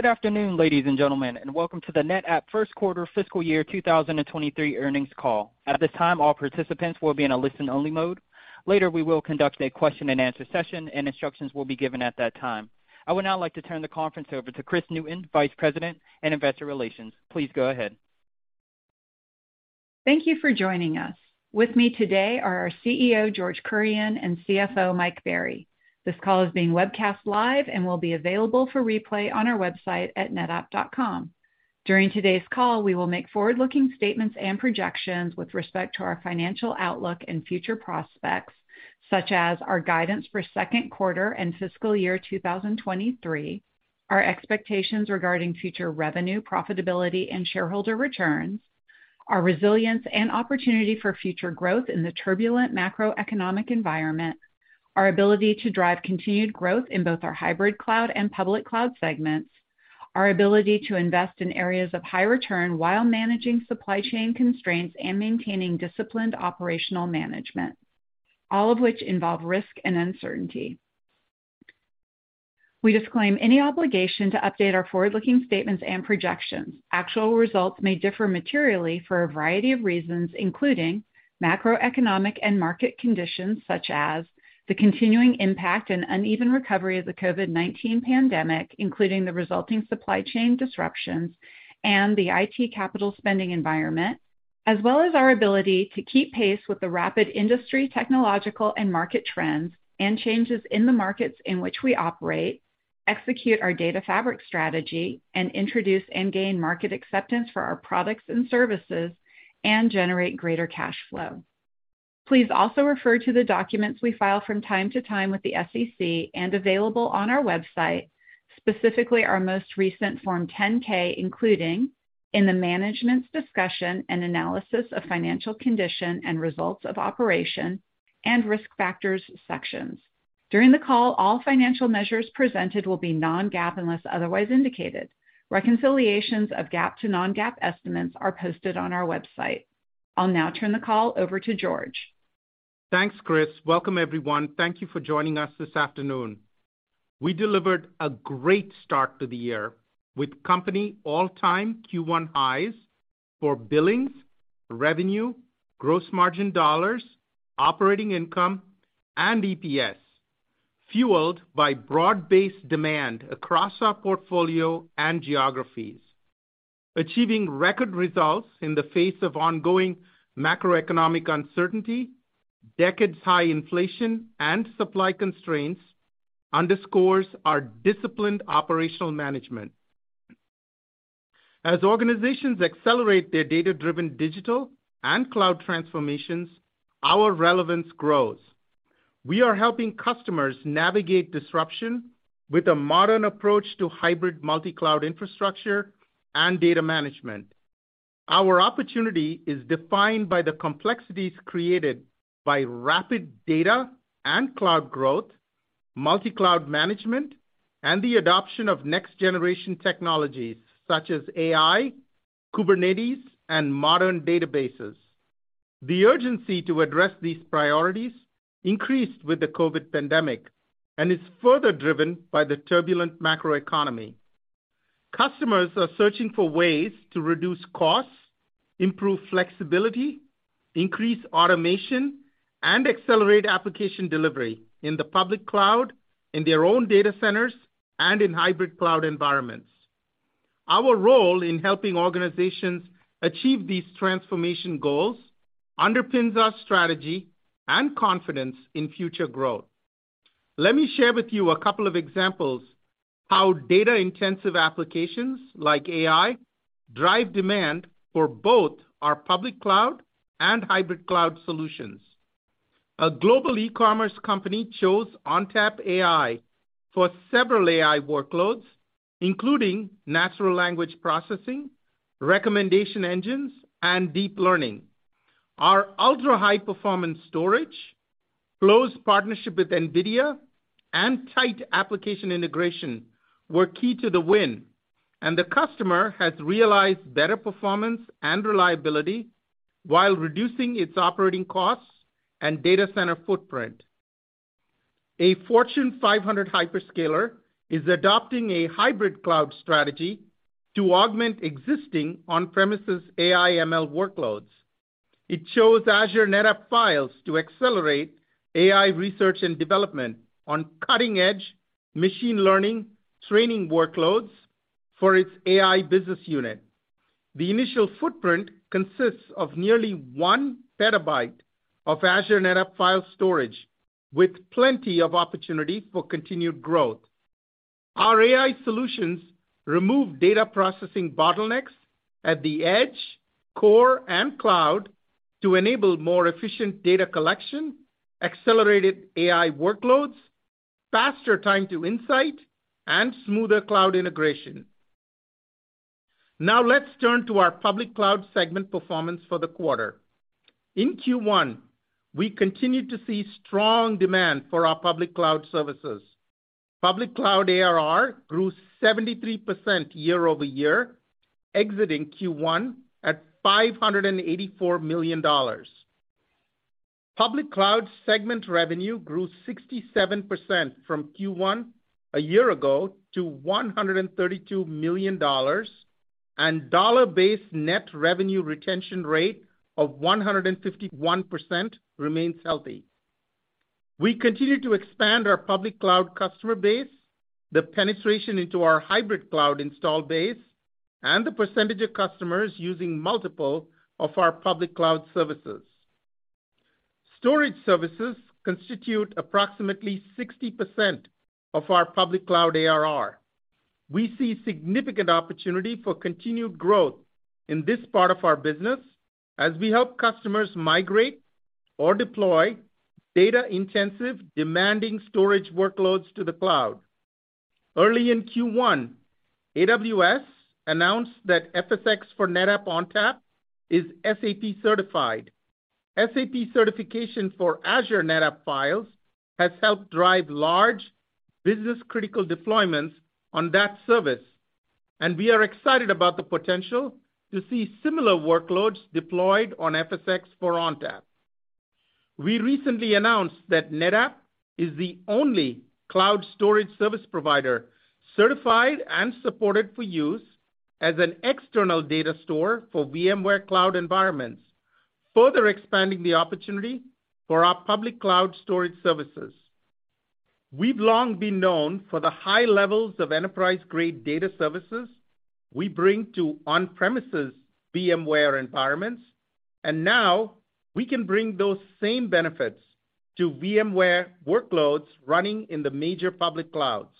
Good afternoon, ladies and gentlemen, and welcome to the NetApp first quarter fiscal year 2023 earnings call. At this time, all participants will be in a listen-only mode. Later, we will conduct a question-and-answer session and instructions will be given at that time. I would now like to turn the conference over to Kris Newton, Vice President, Investor Relations. Please go ahead. Thank you for joining us. With me today are our CEO, George Kurian and CFO, Mike Berry. This call is being webcast live and will be available for replay on our website at netapp.com. During today's call, we will make forward-looking statements and projections with respect to our financial outlook and future prospects, such as our guidance for second quarter and fiscal year 2023, our expectations regarding future revenue, profitability and shareholder returns, our resilience and opportunity for future growth in the turbulent macroeconomic environment, our ability to drive continued growth in both our hybrid cloud and public cloud segments, our ability to invest in areas of high return while managing supply chain constraints and maintaining disciplined operational management, all of which involve risk and uncertainty. We disclaim any obligation to update our forward-looking statements and projections. Actual results may differ materially for a variety of reasons, including macroeconomic and market conditions such as the continuing impact and uneven recovery of the COVID-19 pandemic, including the resulting supply chain disruptions and the IT capital spending environment, as well as our ability to keep pace with the rapid industry, technological and market trends and changes in the markets in which we operate, execute our data fabric strategy, and introduce and gain market acceptance for our products and services and generate greater cash flow. Please also refer to the documents we file from time to time with the SEC and available on our website, specifically our most recent Form 10-K, including in the Management's Discussion and Analysis of Financial Condition and Results of Operations and Risk Factors sections. During the call, all financial measures presented will be non-GAAP unless otherwise indicated. Reconciliations of GAAP to non-GAAP estimates are posted on our website. I'll now turn the call over to George. Thanks, Kris. Welcome, everyone. Thank you for joining us this afternoon. We delivered a great start to the year with company all-time Q1 highs for billings, revenue, gross margin dollars, operating income and EPS, fueled by broad-based demand across our portfolio and geographies. Achieving record results in the face of ongoing macroeconomic uncertainty, decades high inflation and supply constraints underscores our disciplined operational management. As organizations accelerate their data-driven digital and cloud transformations, our relevance grows. We are helping customers navigate disruption with a modern approach to hybrid multi-cloud infrastructure and data management. Our opportunity is defined by the complexities created by rapid data and cloud growth, multi-cloud management, and the adoption of next generation technologies such as AI, Kubernetes, and modern databases. The urgency to address these priorities increased with the COVID pandemic and is further driven by the turbulent macroeconomy. Customers are searching for ways to reduce costs, improve flexibility, increase automation, and accelerate application delivery in the public cloud, in their own data centers, and in hybrid cloud environments. Our role in helping organizations achieve these transformation goals underpins our strategy and confidence in future growth. Let me share with you a couple of examples how data intensive applications like AI drive demand for both our public cloud and hybrid cloud solutions. A global e-commerce company chose ONTAP AI for several AI workloads, including natural language processing, recommendation engines, and deep learning. Our ultra-high performance storage, close partnership with NVIDIA and tight application integration were key to the win, and the customer has realized better performance and reliability while reducing its operating costs and data center footprint. A Fortune 500 hyperscaler is adopting a hybrid cloud strategy to augment existing on-premises AI ML workloads. It shows Azure NetApp Files to accelerate AI research and development on cutting edge machine learning, training workloads for its AI business unit. The initial footprint consists of nearly 1 petabyte of Azure NetApp Files storage with plenty of opportunity for continued growth. Our AI solutions remove data processing bottlenecks at the edge, core, and cloud to enable more efficient data collection, accelerated AI workloads, faster time to insight, and smoother cloud integration. Now let's turn to our public cloud segment performance for the quarter. In Q1, we continued to see strong demand for our public cloud services. Public cloud ARR grew 73% year-over-year, exiting Q1 at $584 million. Public cloud segment revenue grew 67% from Q1 a year ago to $132 million, and dollar-based net revenue retention rate of 151% remains healthy. We continue to expand our public cloud customer base, the penetration into our hybrid cloud installed base, and the percentage of customers using multiple of our public cloud services. Storage services constitute approximately 60% of our public cloud ARR. We see significant opportunity for continued growth in this part of our business as we help customers migrate or deploy data-intensive demanding storage workloads to the cloud. Early in Q1, AWS announced that FSx for NetApp ONTAP is SAP certified. SAP certification for Azure NetApp Files has helped drive large business-critical deployments on that service, and we are excited about the potential to see similar workloads deployed on FSx for ONTAP. We recently announced that NetApp is the only cloud storage service provider certified and supported for use as an external data store for VMware cloud environments, further expanding the opportunity for our public cloud storage services. We've long been known for the high levels of enterprise-grade data services we bring to on-premises VMware environments, and now we can bring those same benefits to VMware workloads running in the major public clouds.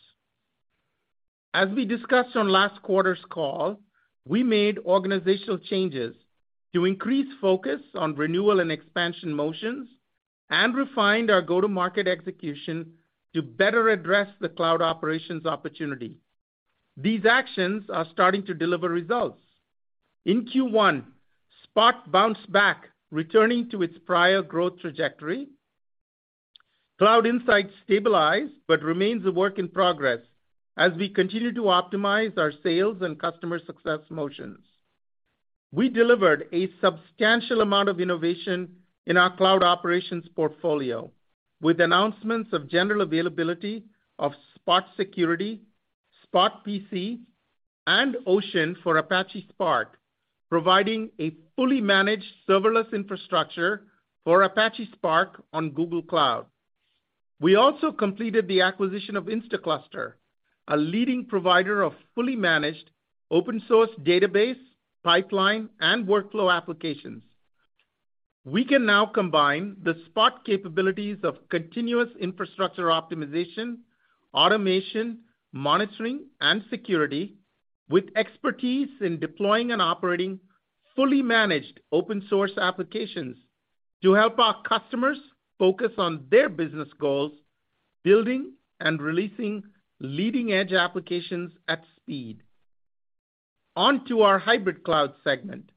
As we discussed on last quarter's call, we made organizational changes to increase focus on renewal and expansion motions and refined our go-to-market execution to better address the cloud operations opportunity. These actions are starting to deliver results. In Q1, Spot bounced back, returning to its prior growth trajectory. Cloud Insights stabilized but remains a work in progress as we continue to optimize our sales and customer success motions. We delivered a substantial amount of innovation in our cloud operations portfolio, with announcements of general availability of Spot Security, Spot PC, and Ocean for Apache Spark, providing a fully managed serverless infrastructure for Apache Spark on Google Cloud. We also completed the acquisition of Instaclustr, a leading provider of fully managed open source database, pipeline, and workflow applications. We can now combine the Spot capabilities of continuous infrastructure optimization, automation, monitoring, and security with expertise in deploying and operating fully managed open source applications to help our customers focus on their business goals, building and releasing leading-edge applications at speed. On to our hybrid cloud segment.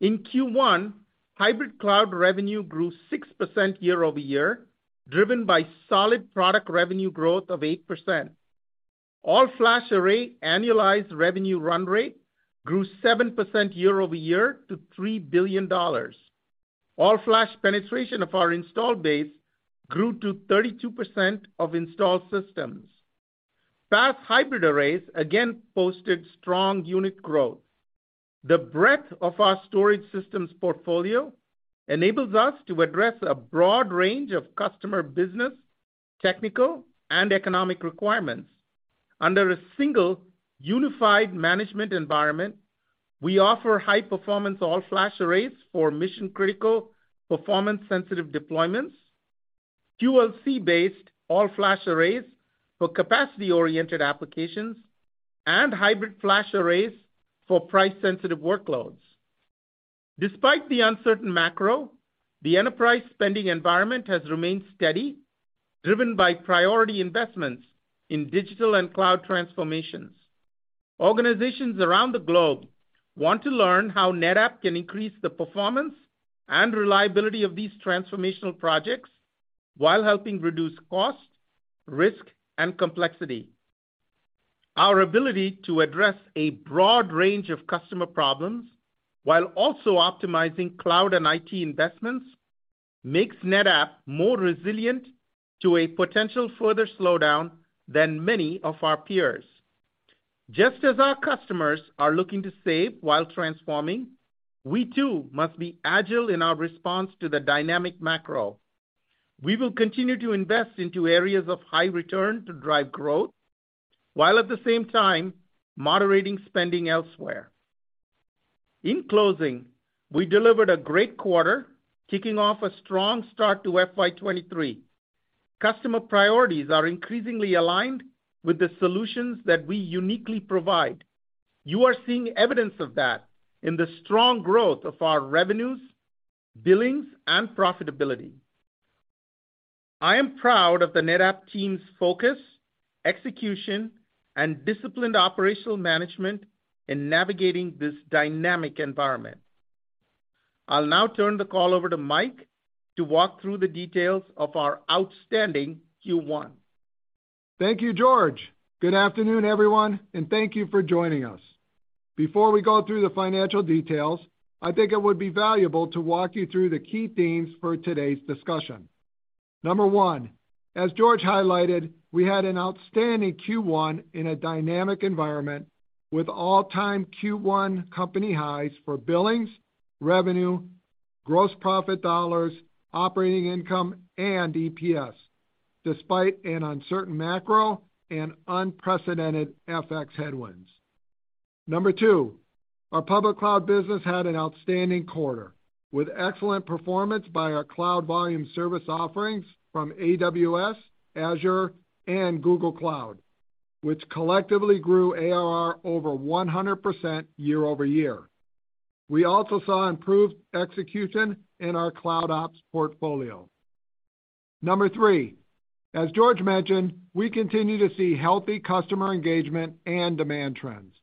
In Q1, hybrid cloud revenue grew 6% year-over-year, driven by solid product revenue growth of 8%. All-flash array annualized revenue run rate grew 7% year-over-year to $3 billion. All-flash penetration of our installed base grew to 32% of installed systems. Fast hybrid arrays again posted strong unit growth. The breadth of our storage systems portfolio enables us to address a broad range of customer business, technical, and economic requirements. Under a single unified management environment, we offer high-performance all-flash arrays for mission-critical performance-sensitive deployments, QLC-based all-flash arrays for capacity-oriented applications, and hybrid flash arrays for price-sensitive workloads. Despite the uncertain macro, the enterprise spending environment has remained steady, driven by priority investments in digital and cloud transformations. Organizations around the globe want to learn how NetApp can increase the performance and reliability of these transformational projects while helping reduce cost, risk, and complexity. Our ability to address a broad range of customer problems while also optimizing cloud and IT investments makes NetApp more resilient to a potential further slowdown than many of our peers. Just as our customers are looking to save while transforming, we too must be agile in our response to the dynamic macro. We will continue to invest into areas of high return to drive growth, while at the same time moderating spending elsewhere. In closing, we delivered a great quarter, kicking off a strong start to FY 2023. Customer priorities are increasingly aligned with the solutions that we uniquely provide. You are seeing evidence of that in the strong growth of our revenues, billings, and profitability. I am proud of the NetApp team's focus, execution, and disciplined operational management in navigating this dynamic environment. I'll now turn the call over to Mike to walk through the details of our outstanding Q1. Thank you, George. Good afternoon, everyone, and thank you for joining us. Before we go through the financial details, I think it would be valuable to walk you through the key themes for today's discussion. Number 1, as George highlighted, we had an outstanding Q1 in a dynamic environment with all-time Q1 company highs for billings, revenue, gross profit dollars, operating income, and EPS, despite an uncertain macro and unprecedented FX headwinds. Number 2, our public cloud business had an outstanding quarter, with excellent performance by our cloud volume service offerings from AWS, Azure, and Google Cloud, which collectively grew ARR over 100% year-over-year. We also saw improved execution in our Cloud Ops portfolio. Number 3, as George mentioned, we continue to see healthy customer engagement and demand trends.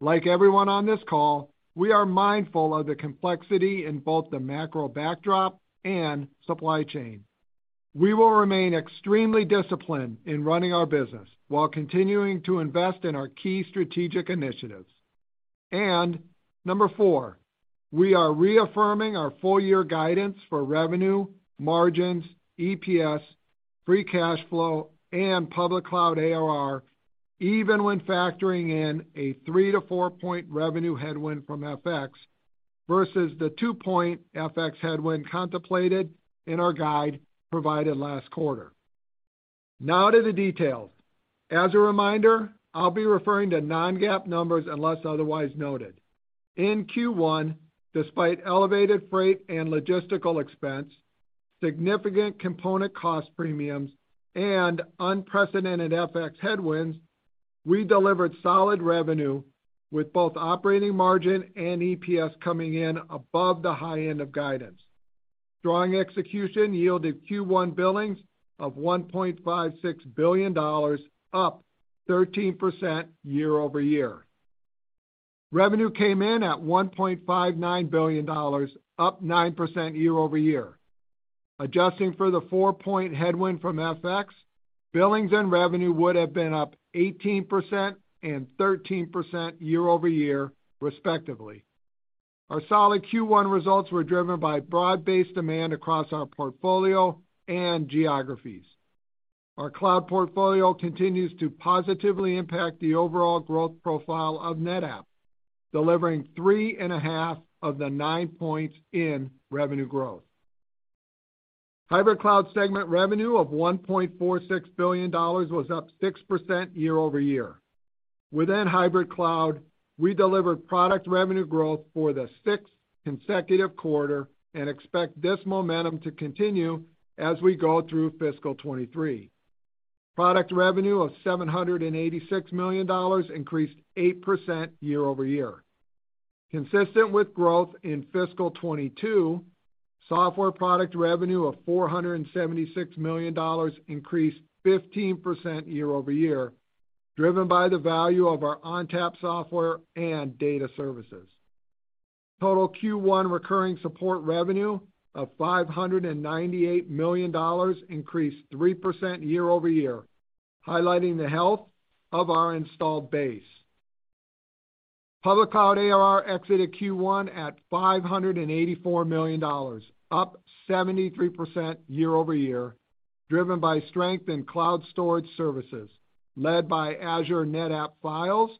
Like everyone on this call, we are mindful of the complexity in both the macro backdrop and supply chain. We will remain extremely disciplined in running our business while continuing to invest in our key strategic initiatives. Number four, we are reaffirming our full year guidance for revenue, margins, EPS, free cash flow, and public cloud ARR, even when factoring in a 3-4-point revenue headwind from FX versus the 2-point FX headwind contemplated in our guide provided last quarter. Now to the details. As a reminder, I'll be referring to non-GAAP numbers unless otherwise noted. In Q1, despite elevated freight and logistical expense, significant component cost premiums, and unprecedented FX headwinds, we delivered solid revenue with both operating margin and EPS coming in above the high end of guidance. Strong execution yielded Q1 billings of $1.56 billion, up 13% year-over-year. Revenue came in at $1.59 billion, up 9% year-over-year. Adjusting for the 4-point headwind from FX, billings and revenue would have been up 18% and 13% year-over-year, respectively. Our solid Q1 results were driven by broad-based demand across our portfolio and geographies. Our cloud portfolio continues to positively impact the overall growth profile of NetApp, delivering 3.5 of the 9 points in revenue growth. Hybrid cloud segment revenue of $1.46 billion was up 6% year-over-year. Within hybrid cloud, we delivered product revenue growth for the sixth consecutive quarter and expect this momentum to continue as we go through fiscal 2023. Product revenue of $786 million increased 8% year-over-year. Consistent with growth in fiscal 2022, software product revenue of $476 million increased 15% year-over-year, driven by the value of our ONTAP software and data services. Total Q1 recurring support revenue of $598 million increased 3% year-over-year, highlighting the health of our installed base. Public cloud ARR exited Q1 at $584 million, up 73% year-over-year, driven by strength in cloud storage services led by Azure NetApp Files,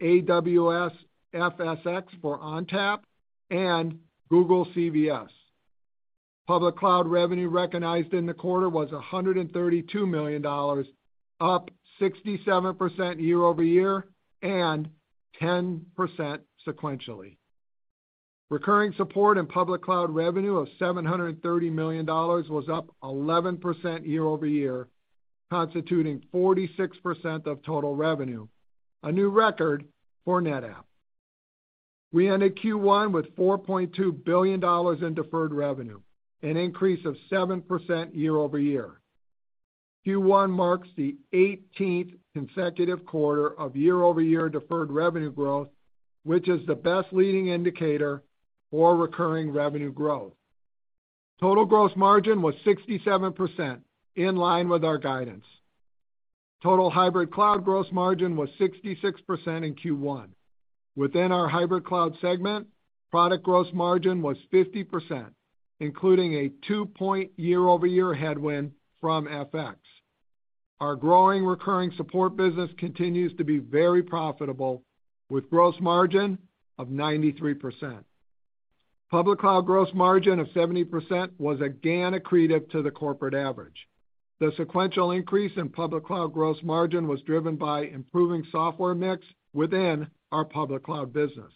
AWS FSx for ONTAP, and Google Cloud NetApp Volumes. Public cloud revenue recognized in the quarter was $132 million, up 67% year-over-year and 10% sequentially. Recurring support and public cloud revenue of $730 million was up 11% year-over-year, constituting 46% of total revenue, a new record for NetApp. We ended Q1 with $4.2 billion in deferred revenue, an increase of 7% year-over-year. Q1 marks the 18th consecutive quarter of year-over-year deferred revenue growth, which is the best leading indicator for recurring revenue growth. Total gross margin was 67%, in line with our guidance. Total hybrid cloud gross margin was 66% in Q1. Within our hybrid cloud segment, product gross margin was 50%, including a 2-point year-over-year headwind from FX. Our growing recurring support business continues to be very profitable, with gross margin of 93%. Public cloud gross margin of 70% was again accretive to the corporate average. The sequential increase in public cloud gross margin was driven by improving software mix within our public cloud business.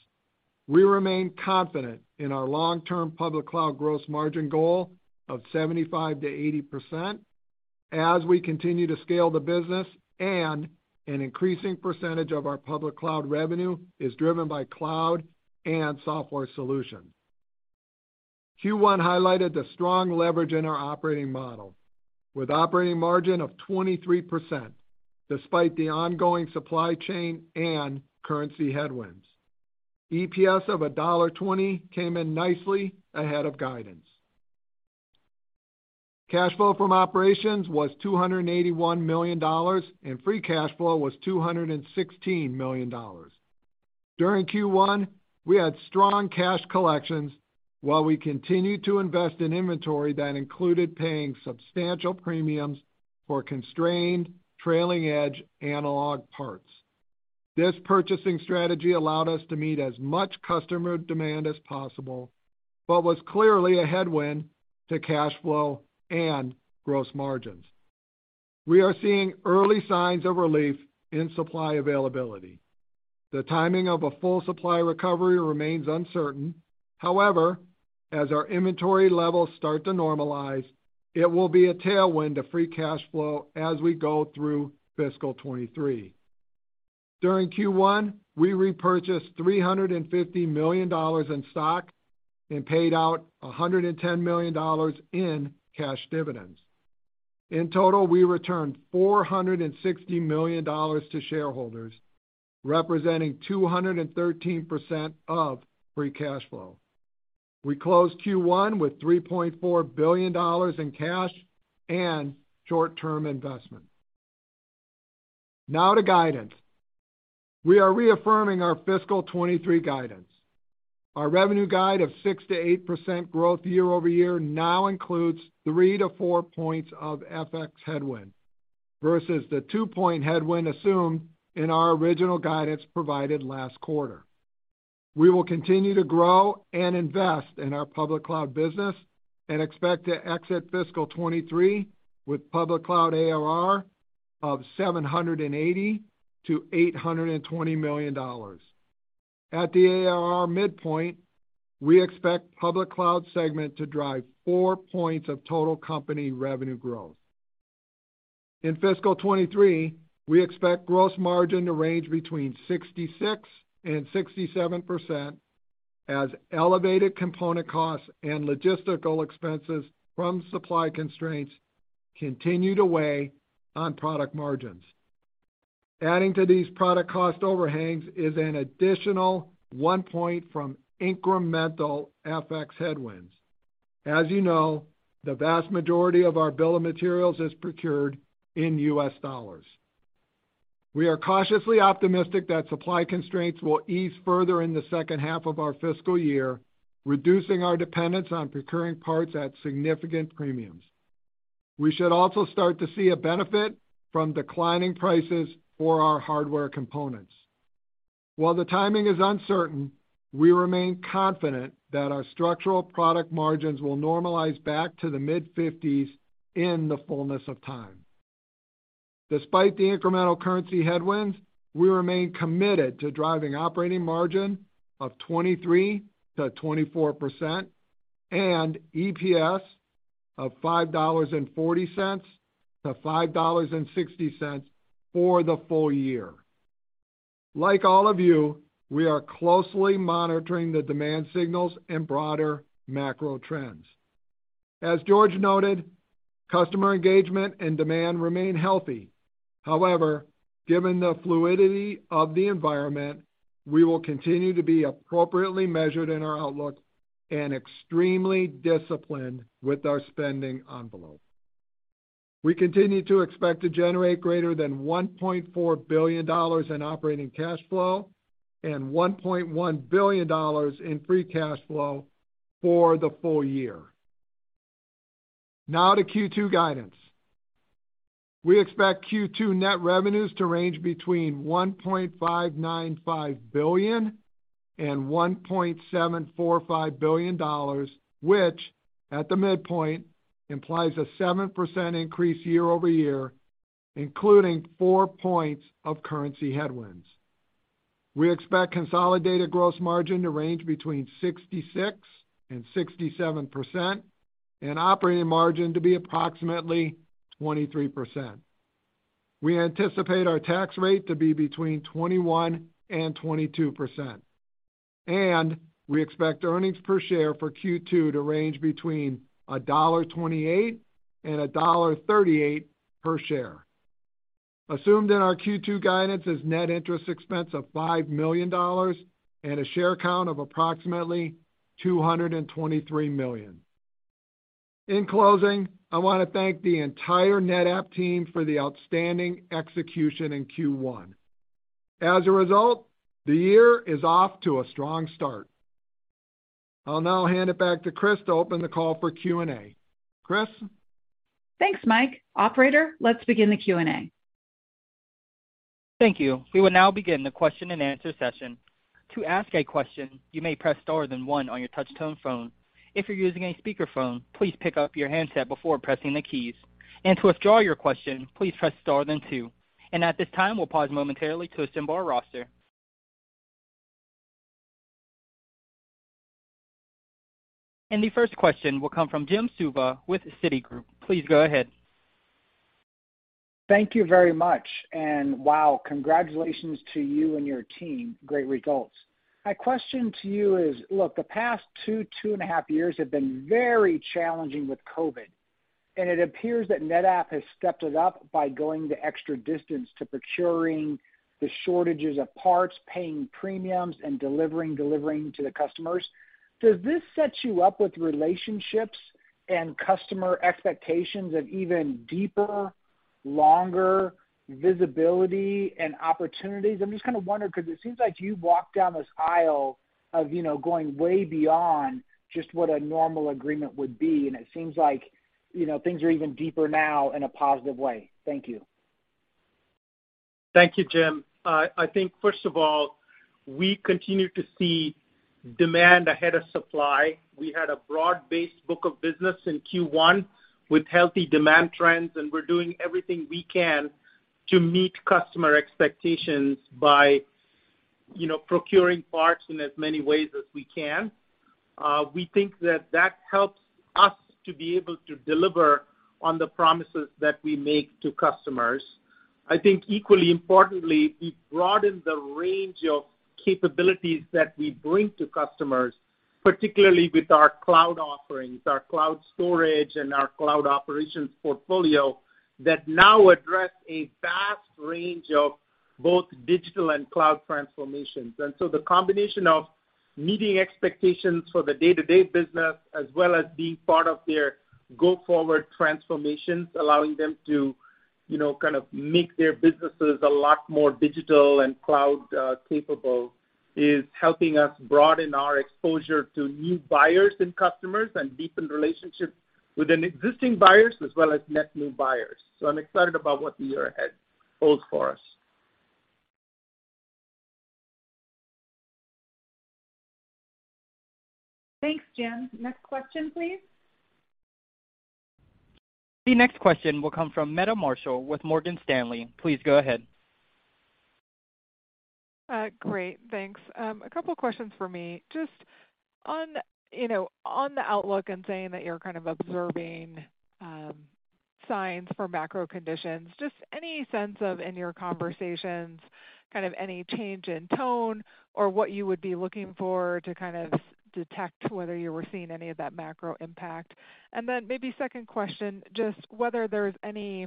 We remain confident in our long-term public cloud gross margin goal of 75%-80% as we continue to scale the business and an increasing percentage of our public cloud revenue is driven by cloud and software solutions. Q1 highlighted the strong leverage in our operating model, with operating margin of 23%, despite the ongoing supply chain and currency headwinds. EPS of $1.20 came in nicely ahead of guidance. Cash flow from operations was $281 million, and free cash flow was $216 million. During Q1, we had strong cash collections while we continued to invest in inventory that included paying substantial premiums for constrained trailing edge analog parts. This purchasing strategy allowed us to meet as much customer demand as possible, but was clearly a headwind to cash flow and gross margins. We are seeing early signs of relief in supply availability. The timing of a full supply recovery remains uncertain. However, as our inventory levels start to normalize, it will be a tailwind to free cash flow as we go through fiscal 2023. During Q1, we repurchased $350 million in stock and paid out $110 million in cash dividends. In total, we returned $460 million to shareholders, representing 213% of free cash flow. We closed Q1 with $3.4 billion in cash and short-term investment. Now to guidance. We are reaffirming our fiscal 2023 guidance. Our revenue guide of 6%-8% growth year-over-year now includes 3-4 points of FX headwind versus the 2-point headwind assumed in our original guidance provided last quarter. We will continue to grow and invest in our public cloud business and expect to exit fiscal 2023 with public cloud ARR of $780 million-$820 million. At the ARR midpoint, we expect public cloud segment to drive 4 points of total company revenue growth. In fiscal 2023, we expect gross margin to range between 66%-67% as elevated component costs and logistical expenses from supply constraints continue to weigh on product margins. Adding to these product cost overhangs is an additional 1 point from incremental FX headwinds. As you know, the vast majority of our bill of materials is procured in U.S. dollars. We are cautiously optimistic that supply constraints will ease further in the H2 of our fiscal year, reducing our dependence on procuring parts at significant premiums. We should also start to see a benefit from declining prices for our hardware components. While the timing is uncertain, we remain confident that our structural product margins will normalize back to the mid-50s in the fullness of time. Despite the incremental currency headwinds, we remain committed to driving operating margin of 23%-24% and EPS of $5.40-$5.60 for the full year. Like all of you, we are closely monitoring the demand signals and broader macro trends. As George noted, customer engagement and demand remain healthy. However, given the fluidity of the environment, we will continue to be appropriately measured in our outlook and extremely disciplined with our spending envelope. We continue to expect to generate greater than $1.4 billion in operating cash flow and $1.1 billion in free cash flow for the full year. Now to Q2 guidance. We expect Q2 net revenues to range between $1.595 billion and $1.745 billion, which, at the midpoint, implies a 7% increase year-over-year, including four points of currency headwinds. We expect consolidated gross margin to range between 66% and 67% and operating margin to be approximately 23%. We anticipate our tax rate to be between 21% and 22%, and we expect earnings per share for Q2 to range between $1.28 and $1.38 per share. Assumed in our Q2 guidance is net interest expense of $5 million and a share count of approximately 223 million. In closing, I wanna thank the entire NetApp team for the outstanding execution in Q1. As a result, the year is off to a strong start. I'll now hand it back to Kris to open the call for Q&A. Kris? Thanks, Mike. Operator, let's begin the Q&A. Thank you. We will now begin the question and answer session. To ask a question, you may press star then one on your touch tone phone. If you're using a speaker phone, please pick up your handset before pressing the keys. To withdraw your question, please press star then two. At this time, we'll pause momentarily to assemble our roster. The first question will come from Jim Suva with Citigroup. Please go ahead. Thank you very much, and wow, congratulations to you and your team. Great results. My question to you is, look, the past 2.5 years have been very challenging with COVID-19. It appears that NetApp has stepped it up by going the extra distance to procuring the shortages of parts, paying premiums, and delivering to the customers. Does this set you up with relationships and customer expectations of even deeper, longer visibility and opportunities? I'm just kind of wondering 'cause it seems like you've walked down this aisle of going way beyond just what a normal agreement would be, and it seems like things are even deeper now in a positive way. Thank you. Thank you, Jim. I think first of all, we continue to see demand ahead of supply. We had a broad-based book of business in Q1 with healthy demand trends, and we're doing everything we can to meet customer expectations by procuring parts in as many ways as we can. We think that that helps us to be able to deliver on the promises that we make to customers. I think equally importantly, we broaden the range of capabilities that we bring to customers, particularly with our cloud offerings, our cloud storage and our cloud operations portfolio that now address a vast range of both digital and cloud transformations. The combination of meeting expectations for the day-to-day business as well as being part of their go-forward transformations, allowing them to kind of make their businesses a lot more digital and cloud, capable, is helping us broaden our exposure to new buyers and customers and deepen relationships with our existing buyers as well as net new buyers. I'm excited about what the year ahead holds for us. Thanks, Jim. Next question, please. The next question will come from Meta Marshall with Morgan Stanley. Please go ahead. Great. Thanks. A couple questions for me. Just on on the outlook and saying that you're kind of observing signs for macro conditions, just any sense of in your conversations, kind of any change in tone or what you would be looking for to kind of detect whether you were seeing any of that macro impact? Maybe second question, just whether there's any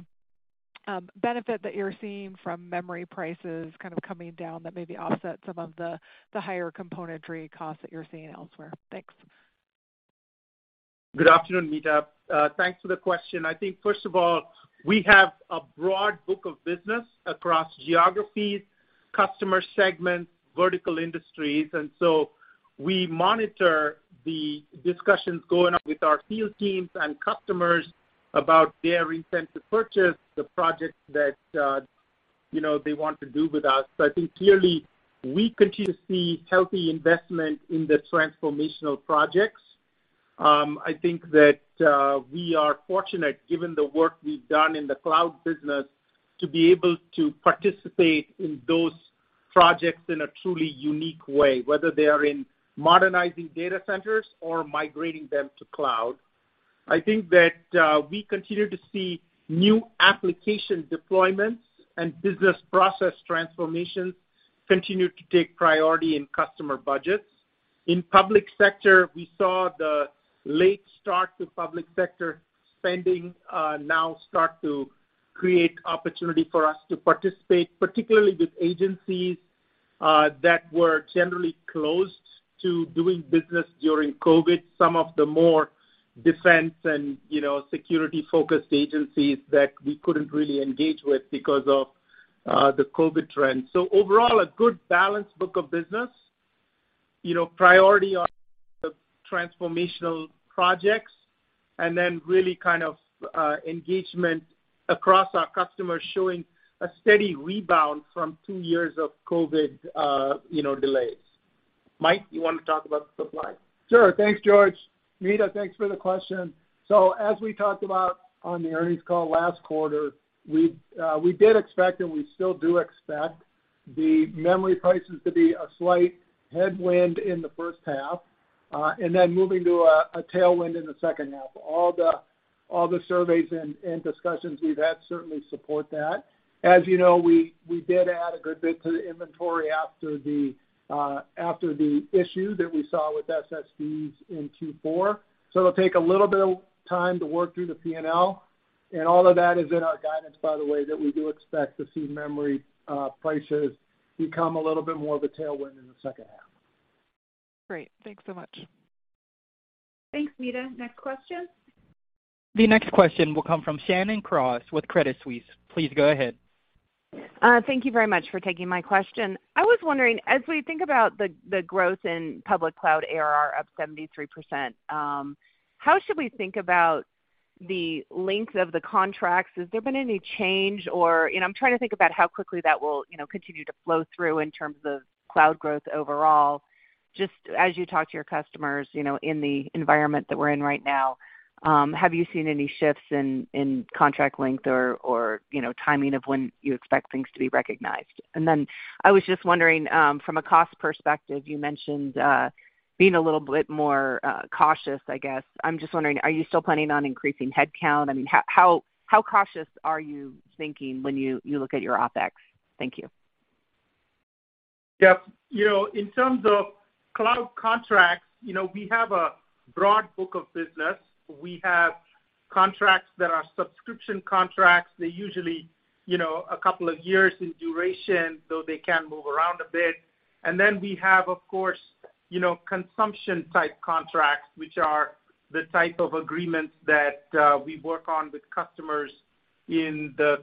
benefit that you're seeing from memory prices kind of coming down that maybe offset some of the higher componentry costs that you're seeing elsewhere. Thanks. Good afternoon, Meta. Thanks for the question. I think first of all, we have a broad book of business across geographies, customer segments, vertical industries, and so we monitor the discussions going on with our field teams and customers about their intent to purchase the projects that they want to do with us. I think clearly we continue to see healthy investment in the transformational projects. I think that we are fortunate, given the work we've done in the cloud business, to be able to participate in those projects in a truly unique way, whether they are in modernizing data centers or migrating them to cloud. I think that we continue to see new application deployments and business process transformations continue to take priority in customer budgets. In Public Sector, we saw the late start to Public Sector spending now starting to create opportunity for us to participate, particularly with agencies that were generally closed to doing business during COVID, some of the more defense and security-focused agencies that we couldn't really engage with because of the COVID trend. Overall, a good balanced book of business priority on the transformational projects, and then really kind of engagement across our customers showing a steady rebound from two years of covid delays. Mike, you wanna talk about supply? Sure. Thanks, George. Meta, thanks for the question. As we talked about on the earnings call last quarter, we did expect and we still do expect the memory prices to be a slight headwind in the H1, and then moving to a tailwind in the H2. All the surveys and discussions we've had certainly support that. As you know, we did add a good bit to the inventory after the issue that we saw with SSDs in Q4. It'll take a little bit of time to work through the P&L. All of that is in our guidance, by the way, that we do expect to see memory prices become a little bit more of a tailwind in the H2. Great. Thanks so much. Thanks, Meta. Next question. The next question will come from Shannon Cross with Credit Suisse. Please go ahead. Thank you very much for taking my question. I was wondering, as we think about the growth in public cloud ARR up 73%, how should we think about the length of the contracts? Has there been any change? You know, I'm trying to think about how quickly that will continue to flow through in terms of cloud growth overall. Just as you talk to your customers in the environment that we're in right now, have you seen any shifts in contract length or timing of when you expect things to be recognized? I was just wondering, from a cost perspective, you mentioned being a little bit more cautious, I guess. I'm just wondering, are you still planning on increasing headcount? I mean, how cautious are you thinking when you look at your OpEx? Thank you. Yep. You know, in terms of cloud contracts we have a broad book of business. We have contracts that are subscription contracts. They're usually a couple of years in duration, though they can move around a bit. We have, of course consumption-type contracts, which are the type of agreements that we work on with customers in the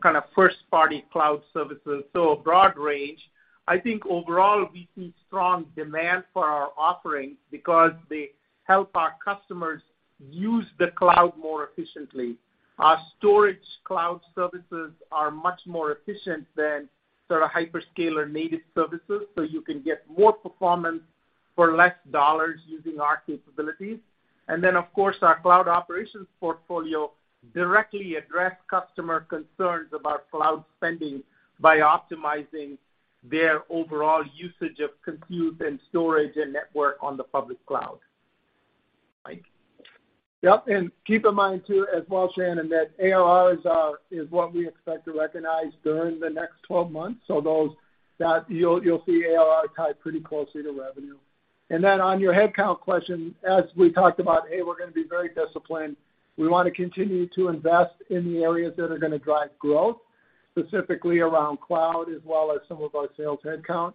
kind of first-party cloud services. A broad range. I think overall we see strong demand for our offerings because they help our customers use the cloud more efficiently. Our storage cloud services are much more efficient than sort of hyperscaler native services, so you can get more performance for less dollars using our capabilities. Of course, our cloud operations portfolio directly address customer concerns about cloud spending by optimizing their overall usage of compute and storage and network on the public cloud. Mike? Yep, keep in mind too, as well, Shannon, that ARRs is what we expect to recognize during the next 12 months. Those that you'll see ARR tied pretty closely to revenue. Then on your headcount question, as we talked about, hey, we're gonna be very disciplined. We wanna continue to invest in the areas that are gonna drive growth, specifically around cloud as well as some of our sales headcount.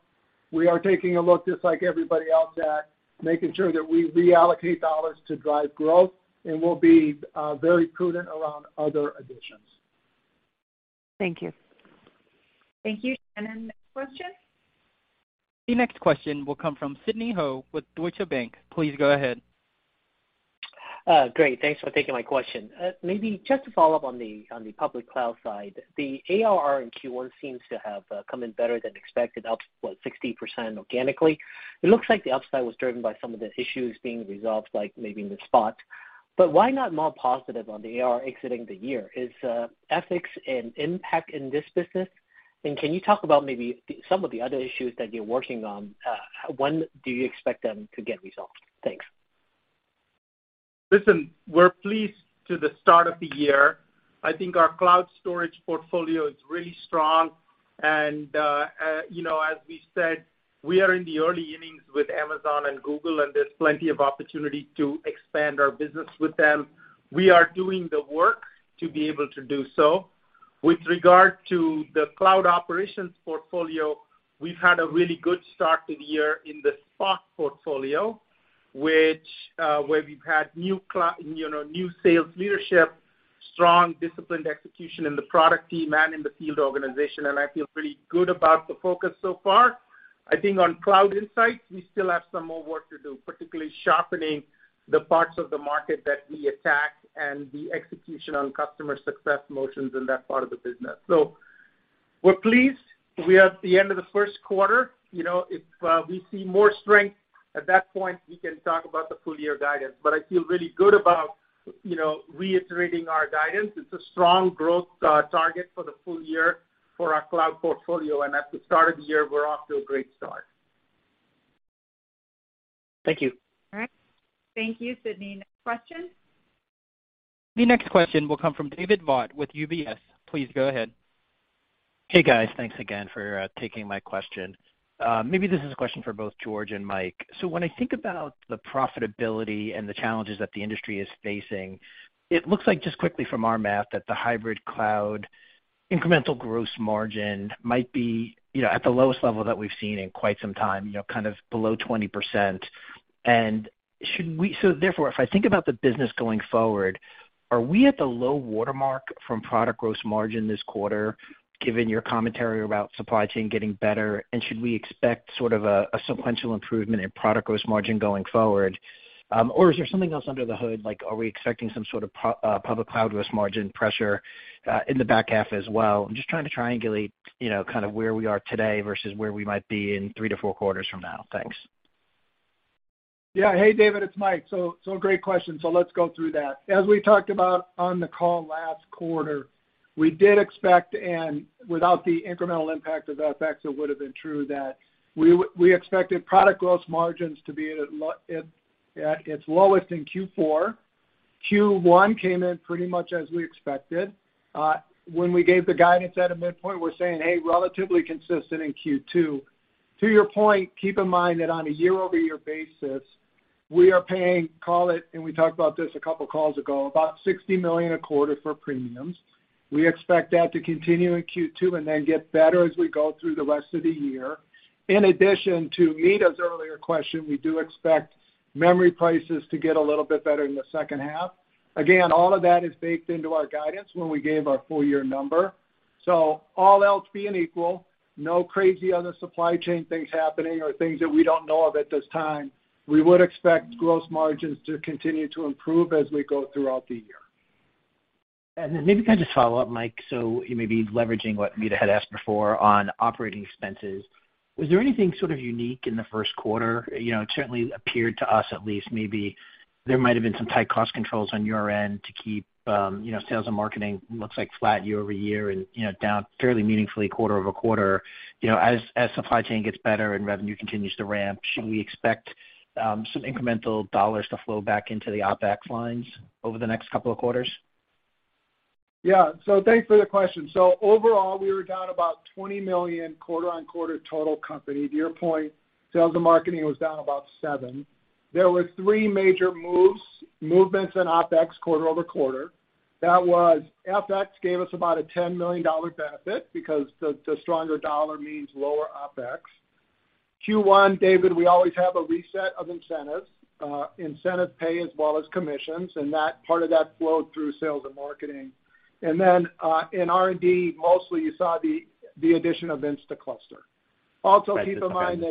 We are taking a look, just like everybody else, at making sure that we reallocate dollars to drive growth, and we'll be very prudent around other additions. Thank you. Thank you, Shannon. Next question. The next question will come from Sidney Ho with Deutsche Bank. Please go ahead. Great. Thanks for taking my question. Maybe just to follow up on the public cloud side, the ARR in Q1 seems to have come in better than expected, up 60% organically. It looks like the upside was driven by some of the issues being resolved, like maybe in Spot. Why not more positive on the ARR exiting the year? Is FX an impact in this business? Can you talk about maybe some of the other issues that you're working on, when do you expect them to get resolved? Thanks. Listen, we're pleased with the start of the year. I think our cloud storage portfolio is really strong, and as we said, we are in the early innings with Amazon and Google, and there's plenty of opportunity to expand our business with them. We are doing the work to be able to do so. With regard to the cloud operations portfolio, we've had a really good start to the year in the Spot portfolio, which, where we've had you know, new sales leadership, strong disciplined execution in the product team and in the field organization, and I feel pretty good about the focus so far. I think on Cloud Insights, we still have some more work to do, particularly sharpening the parts of the market that we attack and the execution on customer success motions in that part of the business. We're pleased. We are at the end of the first quarter. You know, if we see more strength at that point, we can talk about the full year guidance. I feel really good about reiterating our guidance. It's a strong growth target for the full year for our cloud portfolio, and at the start of the year, we're off to a great start. Thank you. All right. Thank you, Sidney. Next question. The next question will come from David Vogt with UBS. Please go ahead. Hey, guys. Thanks again for taking my question. Maybe this is a question for both George and Mike. When I think about the profitability and the challenges that the industry is facing, it looks like just quickly from our math that the hybrid cloud incremental gross margin might be at the lowest level that we've seen in quite some time kind of below 20%. Therefore, if I think about the business going forward, are we at the low watermark from product gross margin this quarter, given your commentary about supply chain getting better, and should we expect sort of a sequential improvement in product gross margin going forward? is there something else under the hood, like are we expecting some sort of public cloud gross margin pressure in the back half as well? I'm just trying to triangulate kind of where we are today versus where we might be in 3 to 4 quarters from now. Thanks. Yeah. Hey, David, it's Mike. Great question, so let's go through that. As we talked about on the call last quarter, we did expect, and without the incremental impact of FX it would have been true, that we expected product gross margins to be at its lowest in Q4. Q1 came in pretty much as we expected. When we gave the guidance at a midpoint, we're saying, hey, relatively consistent in Q2. To your point, keep in mind that on a year-over-year basis, we are paying, call it, and we talked about this a couple calls ago, about $60 million a quarter for premiums. We expect that to continue in Q2 and then get better as we go through the rest of the year. In addition to Meta's earlier question, we do expect memory prices to get a little bit better in the H2. Again, all of that is baked into our guidance when we gave our full year number. All else being equal, no crazy other supply chain things happening or things that we don't know of at this time, we would expect gross margins to continue to improve as we go throughout the year. Then maybe kind of just follow up, Mike. Maybe leveraging what Meta had asked before on operating expenses. Was there anything sort of unique in the first quarter? You know, it certainly appeared to us at least maybe there might have been some tight cost controls on your end to keep sales and marketing looks like flat year-over-year and down fairly meaningfully quarter-over-quarter. You know, as supply chain gets better and revenue continues to ramp, should we expect some incremental dollars to flow back into the OpEx lines over the next couple of quarters? Yeah. Thanks for the question. Overall, we were down about $20 million quarter-over-quarter total company. To your point, sales and marketing was down about $7 million. There were three major movements in OpEx quarter-over-quarter. That was FX gave us about a $10 million benefit because the stronger dollar means lower OpEx. Q1, David, we always have a reset of incentives, incentive pay as well as commissions, and that part of that flowed through sales and marketing. In R&D, mostly you saw the addition of Instaclustr. Also, keep in mind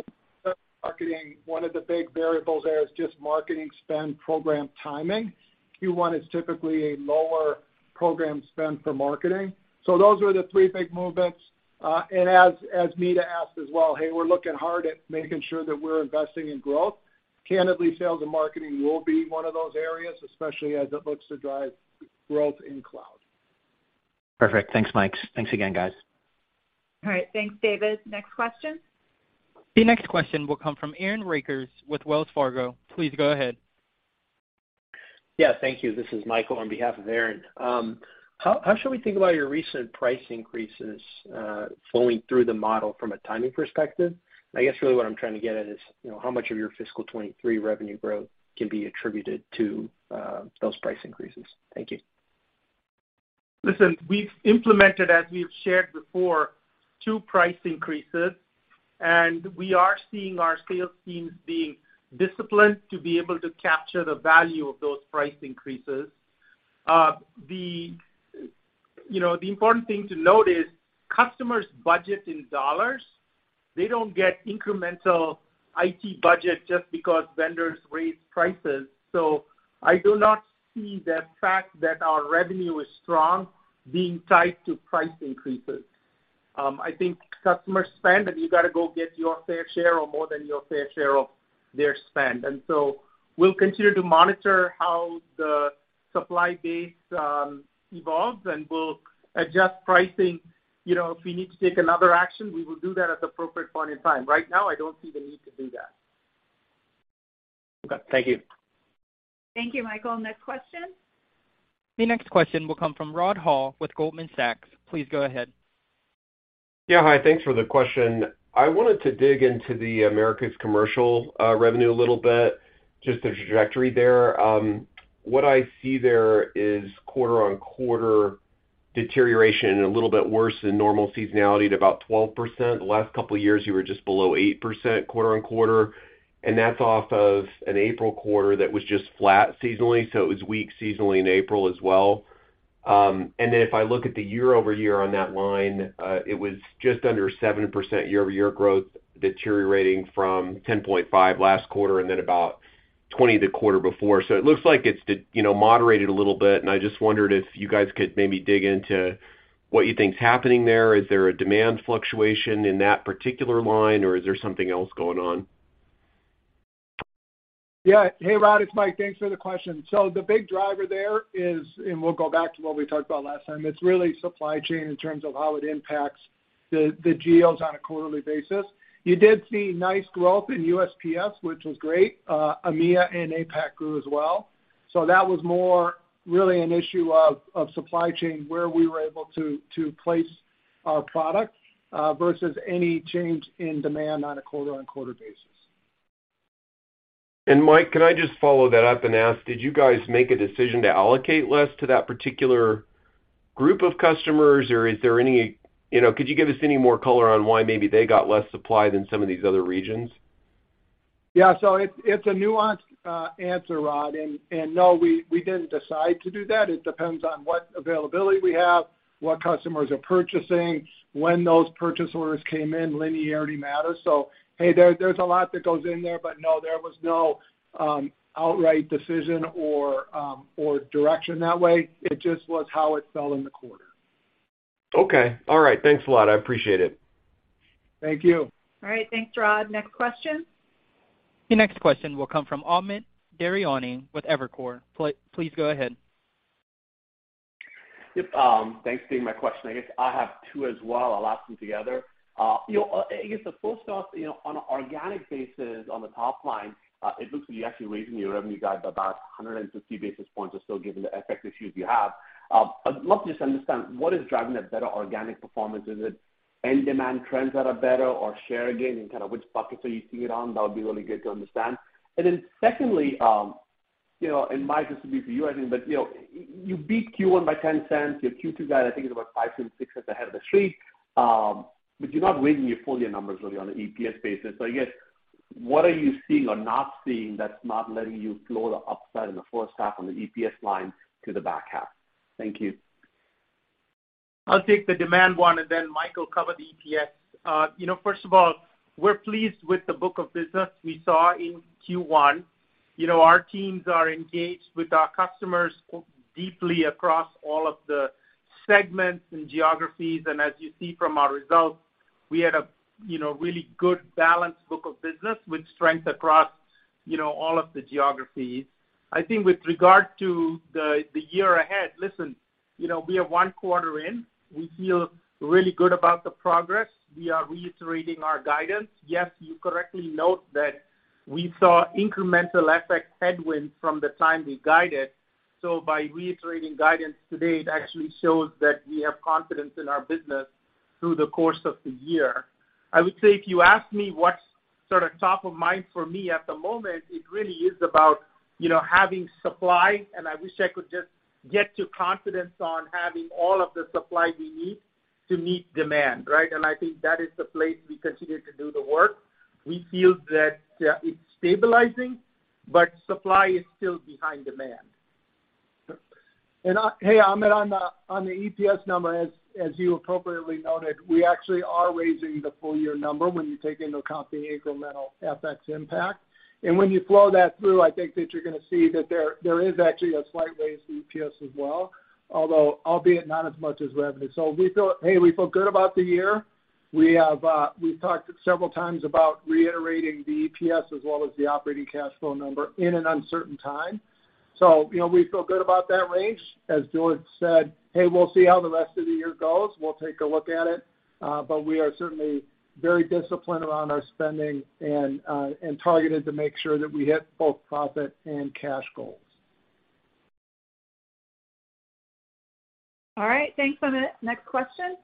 that marketing, one of the big variables there is just marketing spend program timing. Q1 is typically a lower program spend for marketing. Those are the three big movements. As Meta asked as well, hey, we're looking hard at making sure that we're investing in growth. Candidly, sales and marketing will be one of those areas, especially as it looks to drive growth in cloud. Perfect. Thanks, Mike. Thanks again, guys. All right. Thanks, David. Next question. The next question will come from Aaron Rakers with Wells Fargo. Please go ahead. Yeah, thank you. This is Michael on behalf of Aaron. How should we think about your recent price increases flowing through the model from a timing perspective? I guess really what I'm trying to get at is how much of your fiscal 2023 revenue growth can be attributed to those price increases? Thank you. Listen, we've implemented, as we've shared before, two price increases, and we are seeing our sales teams being disciplined to be able to capture the value of those price increases. You know, the important thing to note is customers budget in dollars. They don't get incremental IT budget just because vendors raise prices. I do not see the fact that our revenue is strong being tied to price increases. I think customers spend, and you got to go get your fair share or more than your fair share of their spend. We'll continue to monitor how the supply base evolves, and we'll adjust pricing. You know, if we need to take another action, we will do that at the appropriate point in time. Right now, I don't see the need to do that. Okay. Thank you. Thank you, Michael. Next question. The next question will come from Rod Hall with Goldman Sachs. Please go ahead. Yeah. Hi, thanks for the question. I wanted to dig into the Americas commercial revenue a little bit, just the trajectory there. What I see there is quarter-on-quarter deterioration, a little bit worse than normal seasonality at about 12%. The last couple of years, you were just below 8% quarter-on-quarter, and that's off of an April quarter that was just flat seasonally. It was weak seasonally in April as well. If I look at the year-over-year on that line, it was just under 7% year-over-year growth deteriorating from 10.5 last quarter and then about 20 the quarter before. It looks like it's moderated a little bit. I just wondered if you guys could maybe dig into what you think is happening there. Is there a demand fluctuation in that particular line, or is there something else going on? Yeah. Hey, Rod, it's Mike. Thanks for the question. The big driver there is, and we'll go back to what we talked about last time, it's really supply chain in terms of how it impacts the geos on a quarterly basis. You did see nice growth in U.S. Public Sector, which was great. EMEA and APAC grew as well. That was more really an issue of supply chain, where we were able to place our product versus any change in demand on a quarter-over-quarter basis. Mike, can I just follow that up and ask, did you guys make a decision to allocate less to that particular group of customers, or is there any could you give us any more color on why maybe they got less supply than some of these other regions? Yeah. It's a nuanced answer, Rod. No, we didn't decide to do that. It depends on what availability we have, what customers are purchasing, when those purchase orders came in. Linearity matters. There's a lot that goes in there. No, there was no outright decision or direction that way. It just was how it fell in the quarter. Okay. All right. Thanks a lot. I appreciate it. Thank you. All right. Thanks, Rod. Next question. The next question will come from Amit Daryanani with Evercore. Please go ahead. Thanks for taking my question. I guess I have two as well. I'll ask them together. You know, I guess the first off on an organic basis on the top line, it looks like you're actually raising your revenue guide by about 150 basis points or so given the FX issues you have. I'd love to just understand what is driving that better organic performance. Is it end demand trends that are better or share gain and kind of which buckets are you seeing it on? That would be really good to understand. secondly and Mike this will be for you, I think. You know, you beat Q1 by $0.10. Your Q2 guide, I think, is about $0.05, $0.06 ahead of the street. You're not raising your full year numbers really on an EPS basis. I guess, what are you seeing or not seeing that's not letting you flow the upside in the H1 on the EPS line to the back half? Thank you. I'll take the demand one, and then Mike will cover the EPS. You know, first of all, we're pleased with the book of business we saw in Q1. You know, our teams are engaged with our customers deeply across all of the segments and geographies. As you see from our results, we had a you know, really good balanced book of business with strength across you know, all of the geographies. I think with regard to the year ahead, listen we are one quarter in. We feel really good about the progress. We are reiterating our guidance. Yes, you correctly note that we saw incremental FX headwinds from the time we guided. By reiterating guidance today, it actually shows that we have confidence in our business through the course of the year. I would say if you ask me what's sort of top of mind for me at the moment, it really is about having supply, and I wish I could just get to confidence on having all of the supply we need to meet demand, right? I think that is the place we continue to do the work. We feel that, it's stabilizing, but supply is still behind demand. Hey, Amit, on the EPS number, as you appropriately noted, we actually are raising the full year number when you take into account the incremental FX impact. When you flow that through, I think that you're gonna see that there is actually a slight raise to EPS as well, although albeit not as much as revenue. We feel good about the year. We have, we've talked several times about reiterating the EPS as well as the operating cash flow number in an uncertain time. You know, we feel good about that range. As George said, we'll see how the rest of the year goes. We'll take a look at it, but we are certainly very disciplined around our spending and targeted to make sure that we hit both profit and cash goals. All right, thanks, Amit. Next question.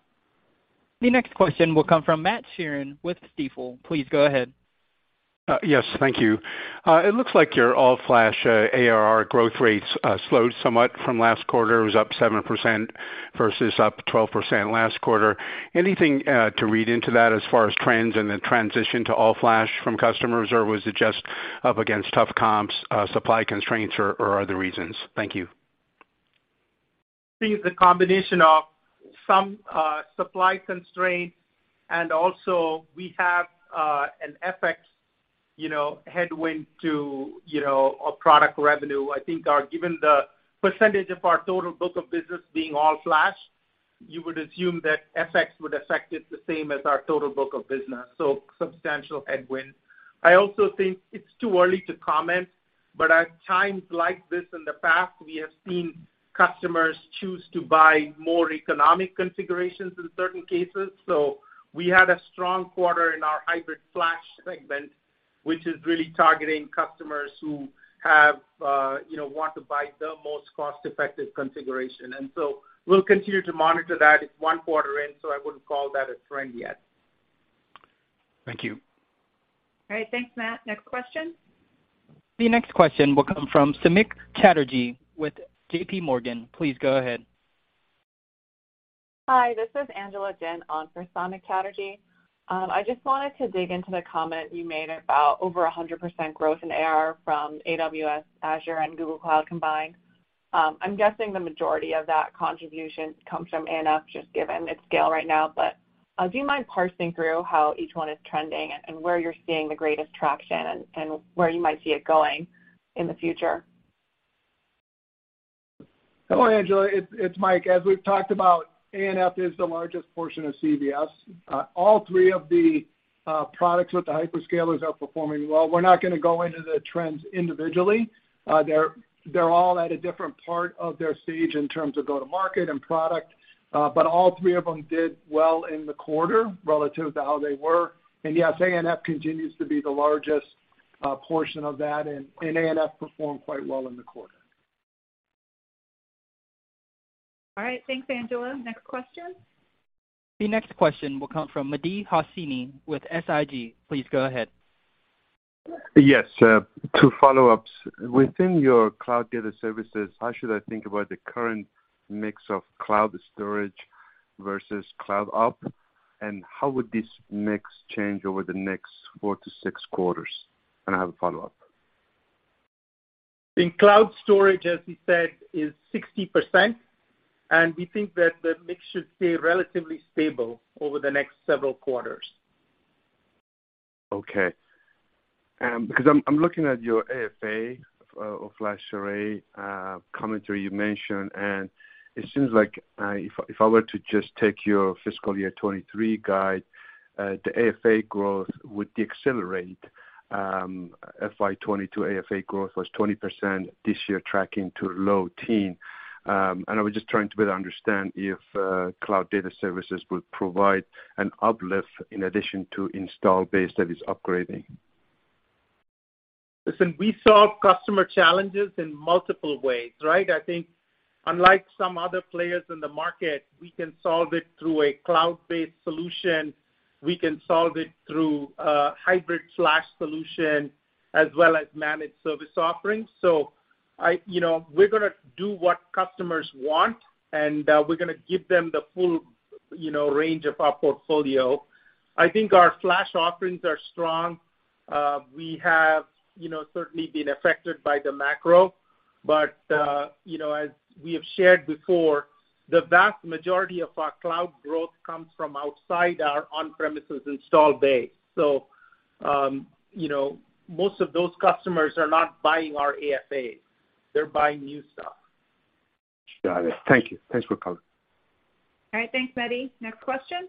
The next question will come from Matt Sheerin with Stifel. Please go ahead. Yes, thank you. It looks like your All-Flash ARR growth rates slowed somewhat from last quarter. It was up 7% versus up 12% last quarter. Anything to read into that as far as trends and the transition to All-Flash from customers, or was it just up against tough comps, supply constraints or other reasons? Thank you. I think the combination of some supply constraints and also we have an fx headwind to our product revenue. I think given the percentage of our total book of business being All Flash, you would assume that FX would affect it the same as our total book of business, so substantial headwind. I also think it's too early to comment, but at times like this in the past, we have seen customers choose to buy more economic configurations in certain cases. We had a strong quarter in our hybrid flash segment, which is really targeting customers who have want to buy the most cost-effective configuration. We'll continue to monitor that. It's one quarter in, so I wouldn't call that a trend yet. Thank you. All right. Thanks, Matt. Next question. The next question will come from Samik Chatterjee with JP Morgan. Please go ahead. Hi, this is Angela Jin on for Samik Chatterjee. I just wanted to dig into the comment you made about over 100% growth in ARR from AWS, Azure, and Google Cloud combined. I'm guessing the majority of that contribution comes from ANF just given its scale right now, but, do you mind parsing through how each one is trending and where you're seeing the greatest traction and where you might see it going in the future? Hello, Angela. It's Mike. As we've talked about, ANF is the largest portion of CBS. All three of the products with the hyperscalers are performing well. We're not gonna go into the trends individually. They're all at a different part of their stage in terms of go-to-market and product, but all three of them did well in the quarter relative to how they were. Yes, ANF continues to be the largest portion of that, and ANF performed quite well in the quarter. All right. Thanks, Angela. Next question. The next question will come from Mehdi Hosseini with SIG. Please go ahead. Yes, two follow-ups. Within your cloud data services, how should I think about the current mix of cloud storage versus cloud ops, and how would this mix change over the next 4-6 quarters? I have a follow-up. In cloud storage, as we said, is 60%, and we think that the mix should stay relatively stable over the next several quarters. Okay. Because I'm looking at your AFA or FlashArray commentary you mentioned, and it seems like if I were to just take your fiscal year 2023 guide, the AFA growth would decelerate. FY 2022 AFA growth was 20% this year tracking to low teens. I was just trying to better understand if cloud data services would provide an uplift in addition to install base that is upgrading. Listen, we solve customer challenges in multiple ways, right? I think unlike some other players in the market, we can solve it through a cloud-based solution. We can solve it through a hybrid flash solution as well as managed service offerings. You know, we're gonna do what customers want, and we're gonna give them the full range of our portfolio. I think our flash offerings are strong. We have certainly been affected by the macro, but you know, as we have shared before, the vast majority of our cloud growth comes from outside our on-premises installed base. You know, most of those customers are not buying our AFAs. They're buying new stuff. Got it. Thank you. Thanks for calling. All right. Thanks, Mehdi. Next question.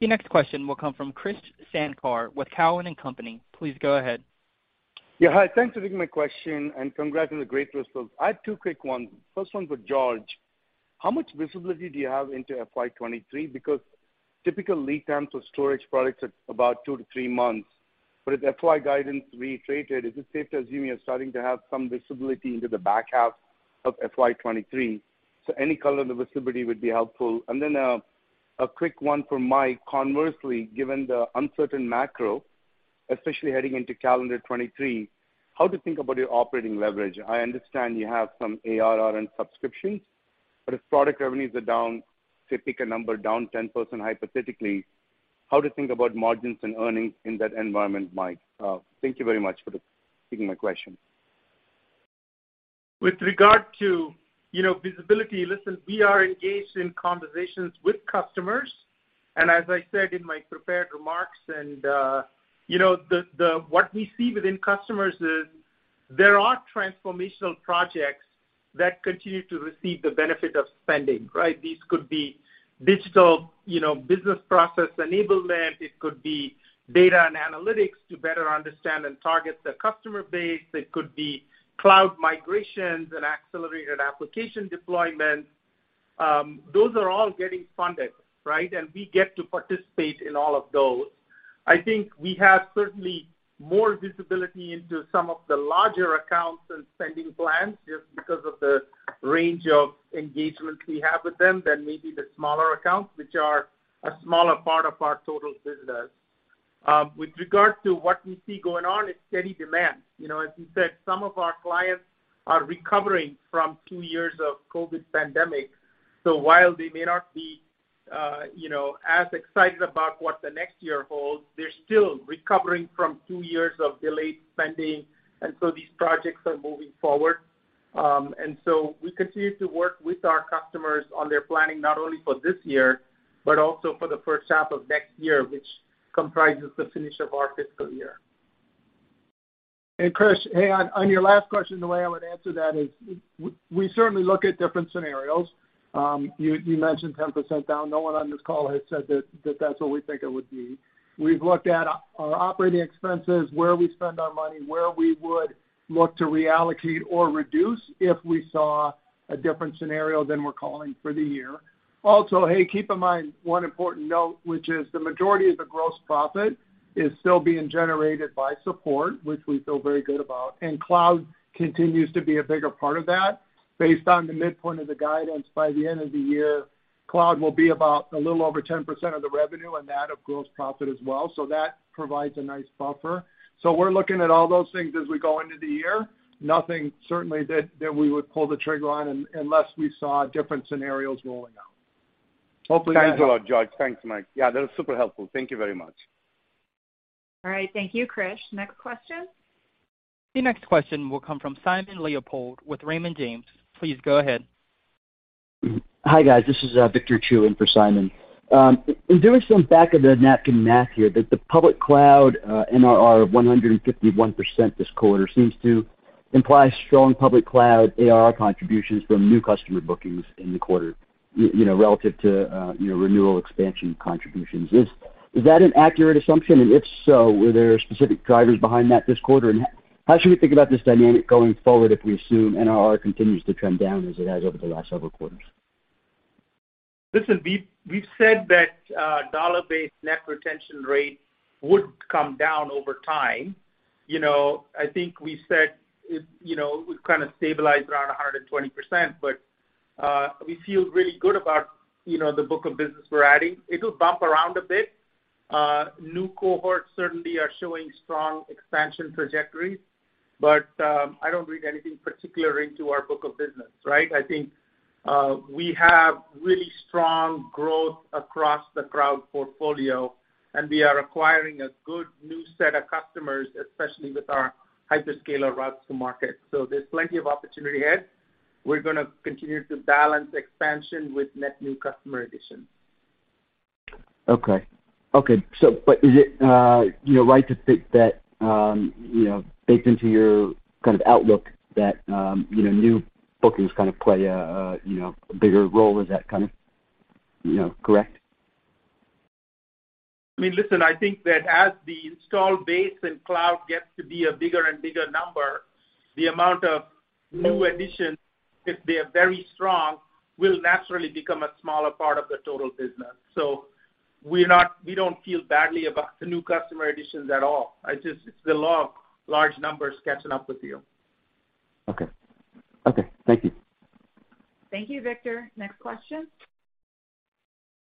The next question will come from Krish Sankar with Cowen and Company. Please go ahead. Yeah, hi. Thanks for taking my question and congrats on the great results. I have two quick ones. First one for George. How much visibility do you have into FY 2023? Because typical lead times for storage products are about two to three months. If FY guidance reiterated, is it safe to assume you're starting to have some visibility into the back half of FY 2023? Any color on the visibility would be helpful. Then, a quick one for Mike. Conversely, given the uncertain macro, especially heading into calendar 2023, how to think about your operating leverage. I understand you have some ARR and subscriptions, but if product revenues are down, say, pick a number, down 10% hypothetically, how to think about margins and earnings in that environment, Mike? Thank you very much for taking my question. With regard to visibility, listen, we are engaged in conversations with customers. As I said in my prepared remarks and what we see within customers is there are transformational projects that continue to receive the benefit of spending, right? These could be digital business process enablement. It could be data and analytics to better understand and target the customer base. It could be cloud migrations and accelerated application deployment. Those are all getting funded, right? We get to participate in all of those. I think we have certainly more visibility into some of the larger accounts and spending plans just because of the range of engagements we have with them than maybe the smaller accounts, which are a smaller part of our total business. With regard to what we see going on, it's steady demand. You know, as you said, some of our clients are recovering from two years of COVID pandemic. While they may not be as excited about what the next year holds, they're still recovering from two years of delayed spending, and these projects are moving forward. We continue to work with our customers on their planning, not only for this year, but also for the H1 of next year, which comprises the finish of our fiscal year. Krish, hey, on your last question, the way I would answer that is we certainly look at different scenarios. You mentioned 10% down. No one on this call has said that that's what we think it would be. We've looked at our operating expenses, where we spend our money, where we would look to reallocate or reduce if we saw a different scenario than we're calling for the year. Also, hey, keep in mind one important note, which is the majority of the gross profit is still being generated by support, which we feel very good about, and cloud continues to be a bigger part of that. Based on the midpoint of the guidance, by the end of the year, cloud will be about a little over 10% of the revenue and that of gross profit as well. That provides a nice buffer. We're looking at all those things as we go into the year. Nothing certainly that we would pull the trigger on unless we saw different scenarios rolling out. Hopefully that helped. Thanks a lot, George. Thanks, Mike. Yeah, that was super helpful. Thank you very much. All right. Thank you, Krish. Next question. The next question will come from Simon Leopold with Raymond James. Please go ahead. Hi, guys. This is Victor Chiu in for Simon Leopold. In doing some back of the napkin math here that the public cloud NRR of 151% this quarter seems to imply strong public cloud ARR contributions from new customer bookings in the quarter relative to renewal expansion contributions. Is that an accurate assumption? And if so, were there specific drivers behind that this quarter? How should we think about this dynamic going forward if we assume NRR continues to trend down as it has over the last several quarters? Listen, we've said that dollar-based net retention rate would come down over time. You know, I think we said it it would kind of stabilize around 120%. We feel really good about the book of business we're adding. It'll bump around a bit. New cohorts certainly are showing strong expansion trajectories, but I don't read anything particular into our book of business, right? I think we have really strong growth across the cloud portfolio, and we are acquiring a good new set of customers, especially with our hyperscaler routes to market. There's plenty of opportunity ahead. We're gonna continue to balance expansion with net new customer additions. Okay. Is it right to think that baked into your kind of outlook that new bookings kind of play a a bigger role? Is that kind of correct? I mean, listen, I think that as the install base and cloud gets to be a bigger and bigger number, the amount of new additions, if they are very strong, will naturally become a smaller part of the total business. We don't feel badly about the new customer additions at all. It's just, it's the law of large numbers catching up with you. Okay. Okay, thank you. Thank you, Victor. Next question.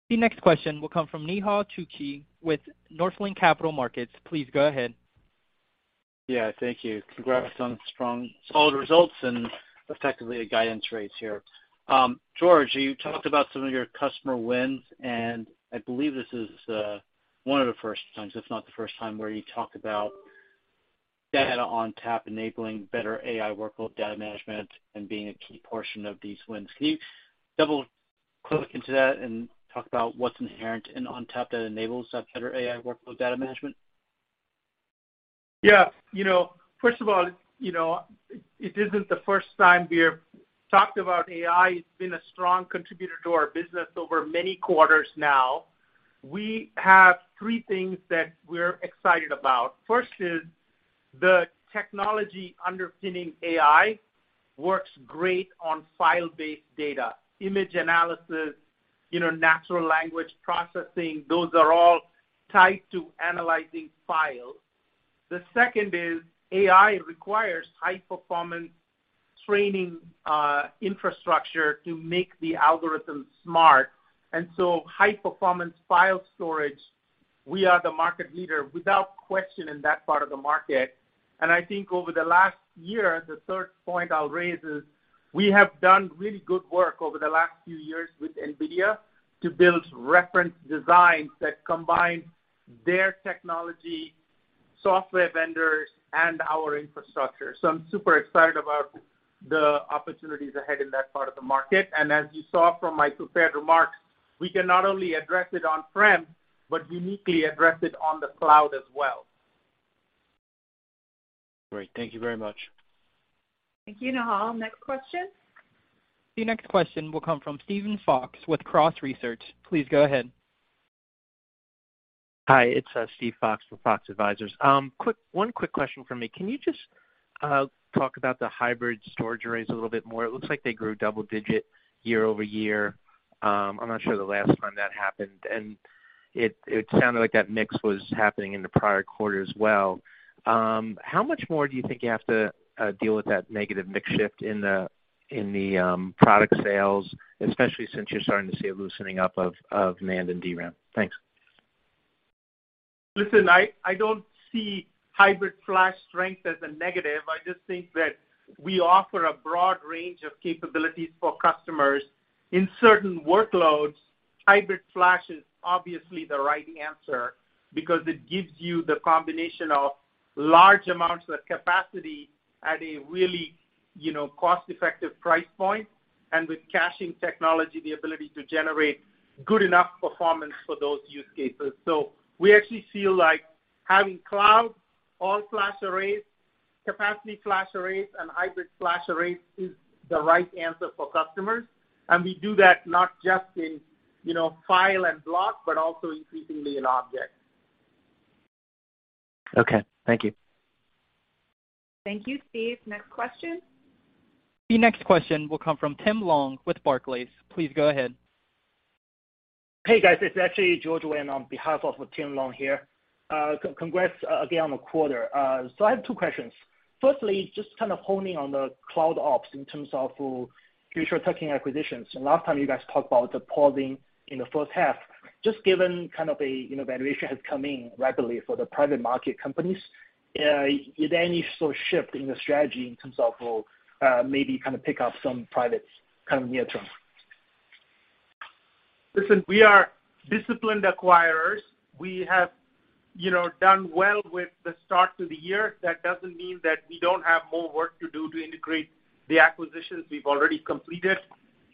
The next question will come from Nehal Chokshi with Northland Capital Markets. Please go ahead. Yeah, thank you. Congrats on strong, solid results and effectively a guidance raise here. George, you talked about some of your customer wins, and I believe this is one of the first times, if not the first time, where you talked about Data ONTAP enabling better AI workload data management and being a key portion of these wins. Can you double-click into that and talk about what's inherent in ONTAP that enables that better AI workload data management? Yeah. You know, first of all it isn't the first time we have talked about AI. It's been a strong contributor to our business over many quarters now. We have three things that we're excited about. First is the technology underpinning AI works great on file-based data, image analysis natural language processing. Those are all tied to analyzing files. The second is AI requires high-performance training, infrastructure to make the algorithm smart. High-performance file storage, we are the market leader without question in that part of the market. I think over the last year, the third point I'll raise is we have done really good work over the last few years with NVIDIA to build reference designs that combine their technology, software vendors, and our infrastructure. I'm super excited about the opportunities ahead in that part of the market. As you saw from my prepared remarks, we can not only address it on-prem, but uniquely address it on the cloud as well. Great. Thank you very much. Thank you, Operator. Next question. The next question will come from Steven Fox with Fox Advisors. Please go ahead. Hi, it's Steven Fox with Fox Advisors. One quick question for me. Can you just talk about the hybrid storage arrays a little bit more? It looks like they grew double-digit year-over-year. I'm not sure the last time that happened, and it sounded like that mix was happening in the prior quarter as well. How much more do you think you have to deal with that negative mix shift in the product sales, especially since you're starting to see a loosening up of NAND and DRAM? Thanks. Listen, I don't see hybrid flash strength as a negative. I just think that we offer a broad range of capabilities for customers. In certain workloads, hybrid flash is obviously the right answer because it gives you the combination of large amounts of capacity at a really cost-effective price point, and with caching technology, the ability to generate good enough performance for those use cases. We actually feel like having cloud, all-flash arrays, capacity flash arrays, and hybrid flash arrays is the right answer for customers. We do that not just in file and block, but also increasingly in object. Okay. Thank you. Thank you, Steve. Next question. The next question will come from Tim Long with Barclays. Please go ahead. Hey, guys, it's actually George Wang on behalf of Tim Long here. Congrats again on the quarter. So I have two questions. Firstly, just kind of honing on the CloudOps in terms of future tech acquisitions. Last time you guys talked about pausing in the H1, just given kind of valuation has come in rapidly for the private market companies, is there any sort of shift in the strategy in terms of, maybe kind of pick up some privates kind of near-term? Listen, we are disciplined acquirers. We have done well with the start to the year. That doesn't mean that we don't have more work to do to integrate the acquisitions we've already completed,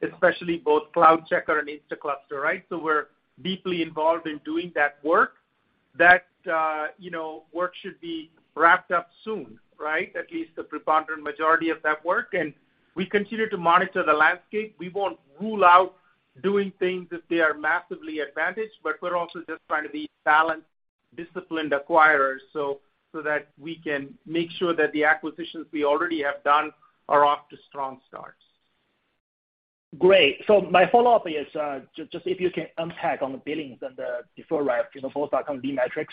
especially both CloudCheckr and Instaclustr, right? We're deeply involved in doing that work. that work should be wrapped up soon, right? At least the preponderant majority of that work. We continue to monitor the landscape. We won't rule out doing things if they are massively advantaged, but we're also just trying to be balanced, disciplined acquirers so that we can make sure that the acquisitions we already have done are off to strong starts. Great. My follow-up is, just if you can unpack on the billings and the deferred rev both are kind of key metrics.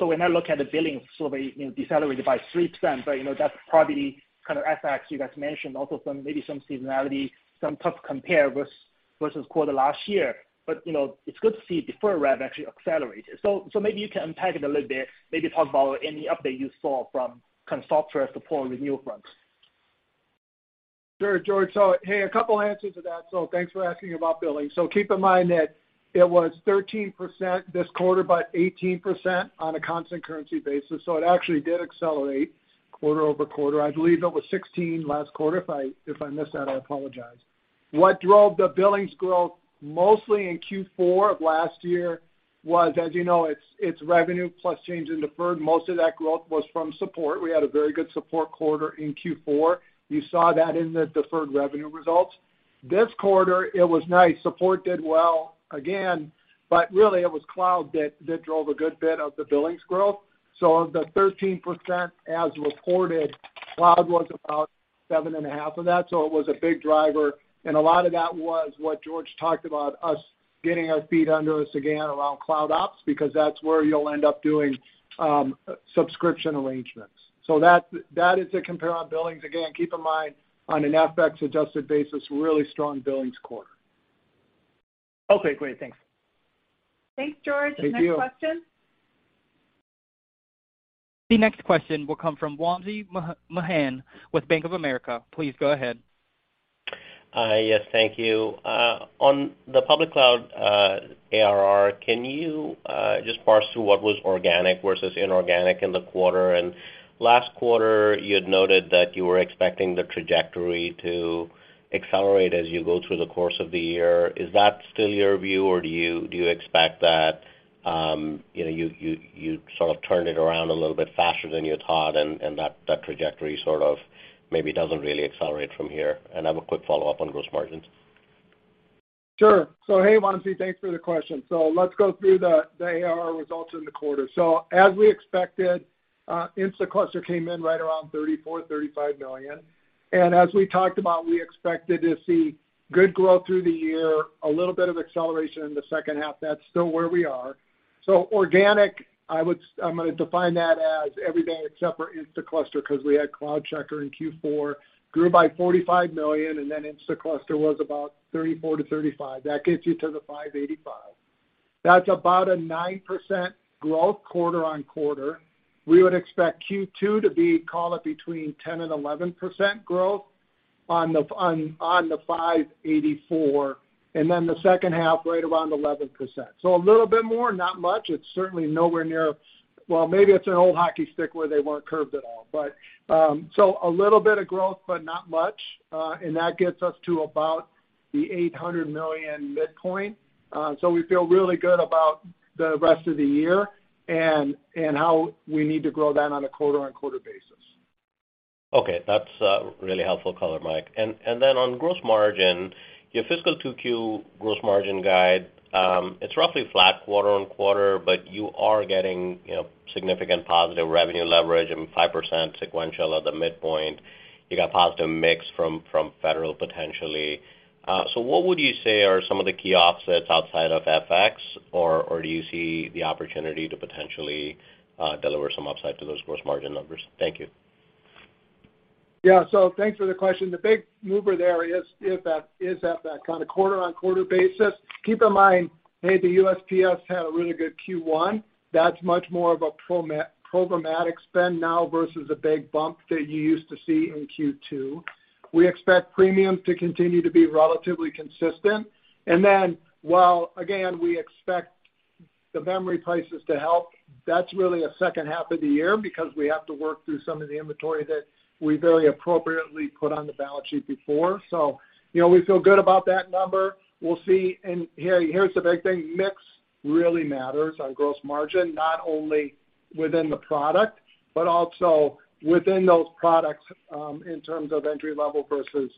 When I look at the billings sort of decelerated by 3%, but that's probably kind of FX you guys mentioned, also some, maybe some seasonality, some tough compare versus quarter last year. You know, it's good to see deferred rev actually accelerated. Maybe you can unpack it a little bit, maybe talk about any update you saw from consulting and support renewal fronts. Sure, George. Hey, a couple answers to that, so thanks for asking about billings. Keep in mind that it was 13% this quarter, but 18% on a constant currency basis, so it actually did accelerate quarter-over-quarter. I believe it was 16% last quarter. If I missed that, I apologize. What drove the billings growth mostly in Q4 of last year was, as you know, it's revenue plus change in deferred. Most of that growth was from support. We had a very good support quarter in Q4. You saw that in the deferred revenue results. This quarter it was nice. Support did well again, but really it was cloud that drove a good bit of the billings growth. Of the 13% as reported, cloud was about 7.5 of that, so it was a big driver. A lot of that was what George talked about, us getting our feet under us again around CloudOps, because that's where you'll end up doing subscription arrangements. That is the compare on billings. Again, keep in mind on an FX adjusted basis, really strong billings quarter. Okay, great. Thanks. Thanks, George. Thank you. Next question. The next question will come from Wamsi Mohan with Bank of America. Please go ahead. Hi. Yes, thank you. On the public cloud, ARR, can you just parse through what was organic versus inorganic in the quarter? Last quarter you had noted that you were expecting the trajectory to accelerate as you go through the course of the year. Is that still your view, or do you expect that you know, you sort of turned it around a little bit faster than you thought, and that trajectory sort of maybe doesn't really accelerate from here. I have a quick follow-up on gross margins. Sure. Hey, Wamsi, thanks for the question. Let's go through the ARR results in the quarter. As we expected, Instaclustr came in right around $34-$35 million. As we talked about, we expected to see good growth through the year, a little bit of acceleration in the H2. That's still where we are. Organic, I'm gonna define that as everything except for Instaclustr 'cause we had CloudCheckr in Q4, grew by $45 million, and then Instaclustr was about $34-$35. That gets you to the $585 million. That's about 9% growth quarter-over-quarter. We would expect Q2 to be, call it, between 10%-11% growth on the $584 million, and then the H2 right around 11%. A little bit more, not much. It's certainly nowhere near. Well, maybe it's an old hockey stick where they weren't curved at all. A little bit of growth, but not much, and that gets us to about the $800 million midpoint. We feel really good about the rest of the year and how we need to grow that on a quarter-on-quarter basis. Okay, that's really helpful color, Mike. Then on gross margin, your fiscal 2Q gross margin guide, it's roughly flat quarter-over-quarter, but you are getting significant positive revenue leverage and 5% sequential at the midpoint. You got positive mix from federal potentially. So what would you say are some of the key offsets outside of FX, or do you see the opportunity to potentially deliver some upside to those gross margin numbers? Thank you. Thanks for the question. The big mover there is that at that kind of quarter-on-quarter basis. Keep in mind, maybe U.S. Public Sector had a really good Q1. That's much more of a programmatic spend now versus a big bump that you used to see in Q2. We expect premium to continue to be relatively consistent. And then while, again, we expect the memory prices to help, that's really a H2 of the year because we have to work through some of the inventory that we very appropriately put on the balance sheet before. You know, we feel good about that number. We'll see. Here's the big thing, mix really matters on gross margin, not only within the product, but also within those products in terms of entry level versus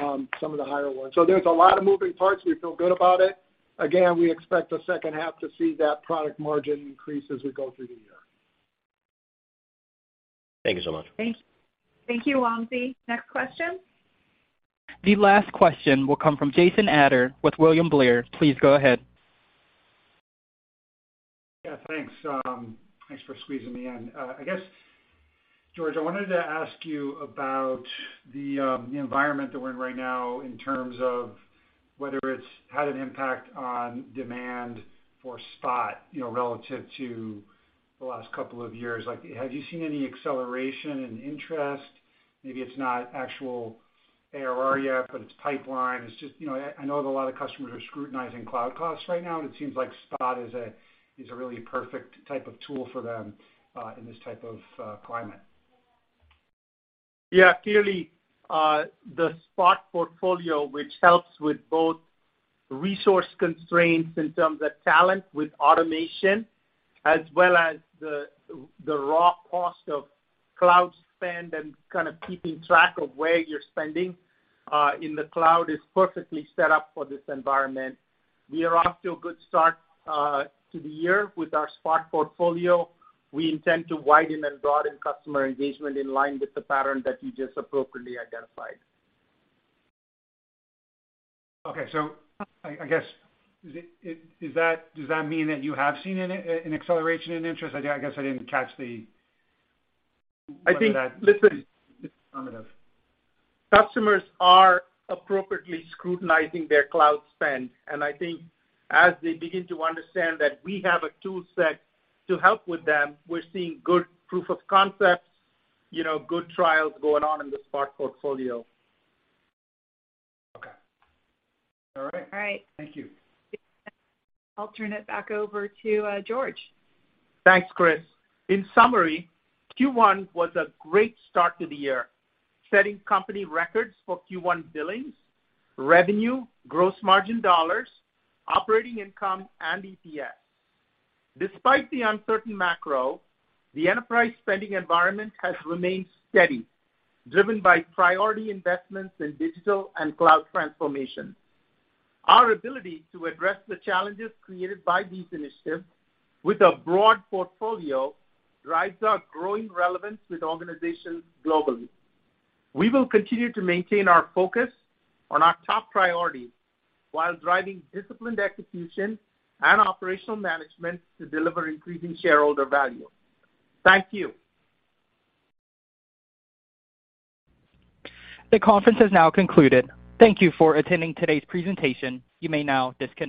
some of the higher ones. There's a lot of moving parts. We feel good about it. Again, we expect the H2 to see that product margin increase as we go through the year. Thank you so much. Thank you, Vamsi. Next question. The last question will come from Jason Ader with William Blair. Please go ahead. Yeah, thanks. Thanks for squeezing me in. I guess, George, I wanted to ask you about the environment that we're in right now in terms of whether it's had an impact on demand for spot relative to the last couple of years. Like, have you seen any acceleration in interest? Maybe it's not actual ARR yet, but it's pipeline. It's just I know that a lot of customers are scrutinizing cloud costs right now, and it seems like Spot is a really perfect type of tool for them in this type of climate. Yeah. Clearly, the Spot portfolio, which helps with both resource constraints in terms of talent with automation, as well as the raw cost of cloud spend and kind of keeping track of where you're spending in the cloud, is perfectly set up for this environment. We are off to a good start to the year with our Spot portfolio. We intend to widen and broaden customer engagement in line with the pattern that you just appropriately identified. Okay. I guess, does that mean that you have seen an acceleration in interest? I guess I didn't catch the I think- Whether that- Listen. is affirmative. Customers are appropriately scrutinizing their cloud spend, and I think as they begin to understand that we have a tool set to help with them, we're seeing good proof of concepts good trials going on in the Spot portfolio. Okay. All right. All right. Thank you. I'll turn it back over to George. Thanks, Kris. In summary, Q1 was a great start to the year, setting company records for Q1 billings, revenue, gross margin dollars, operating income, and EPS. Despite the uncertain macro, the enterprise spending environment has remained steady, driven by priority investments in digital and cloud transformation. Our ability to address the challenges created by these initiatives with a broad portfolio drives our growing relevance with organizations globally. We will continue to maintain our focus on our top priorities while driving disciplined execution and operational management to deliver increasing shareholder value. Thank you. The conference has now concluded. Thank you for attending today's presentation. You may now disconnect.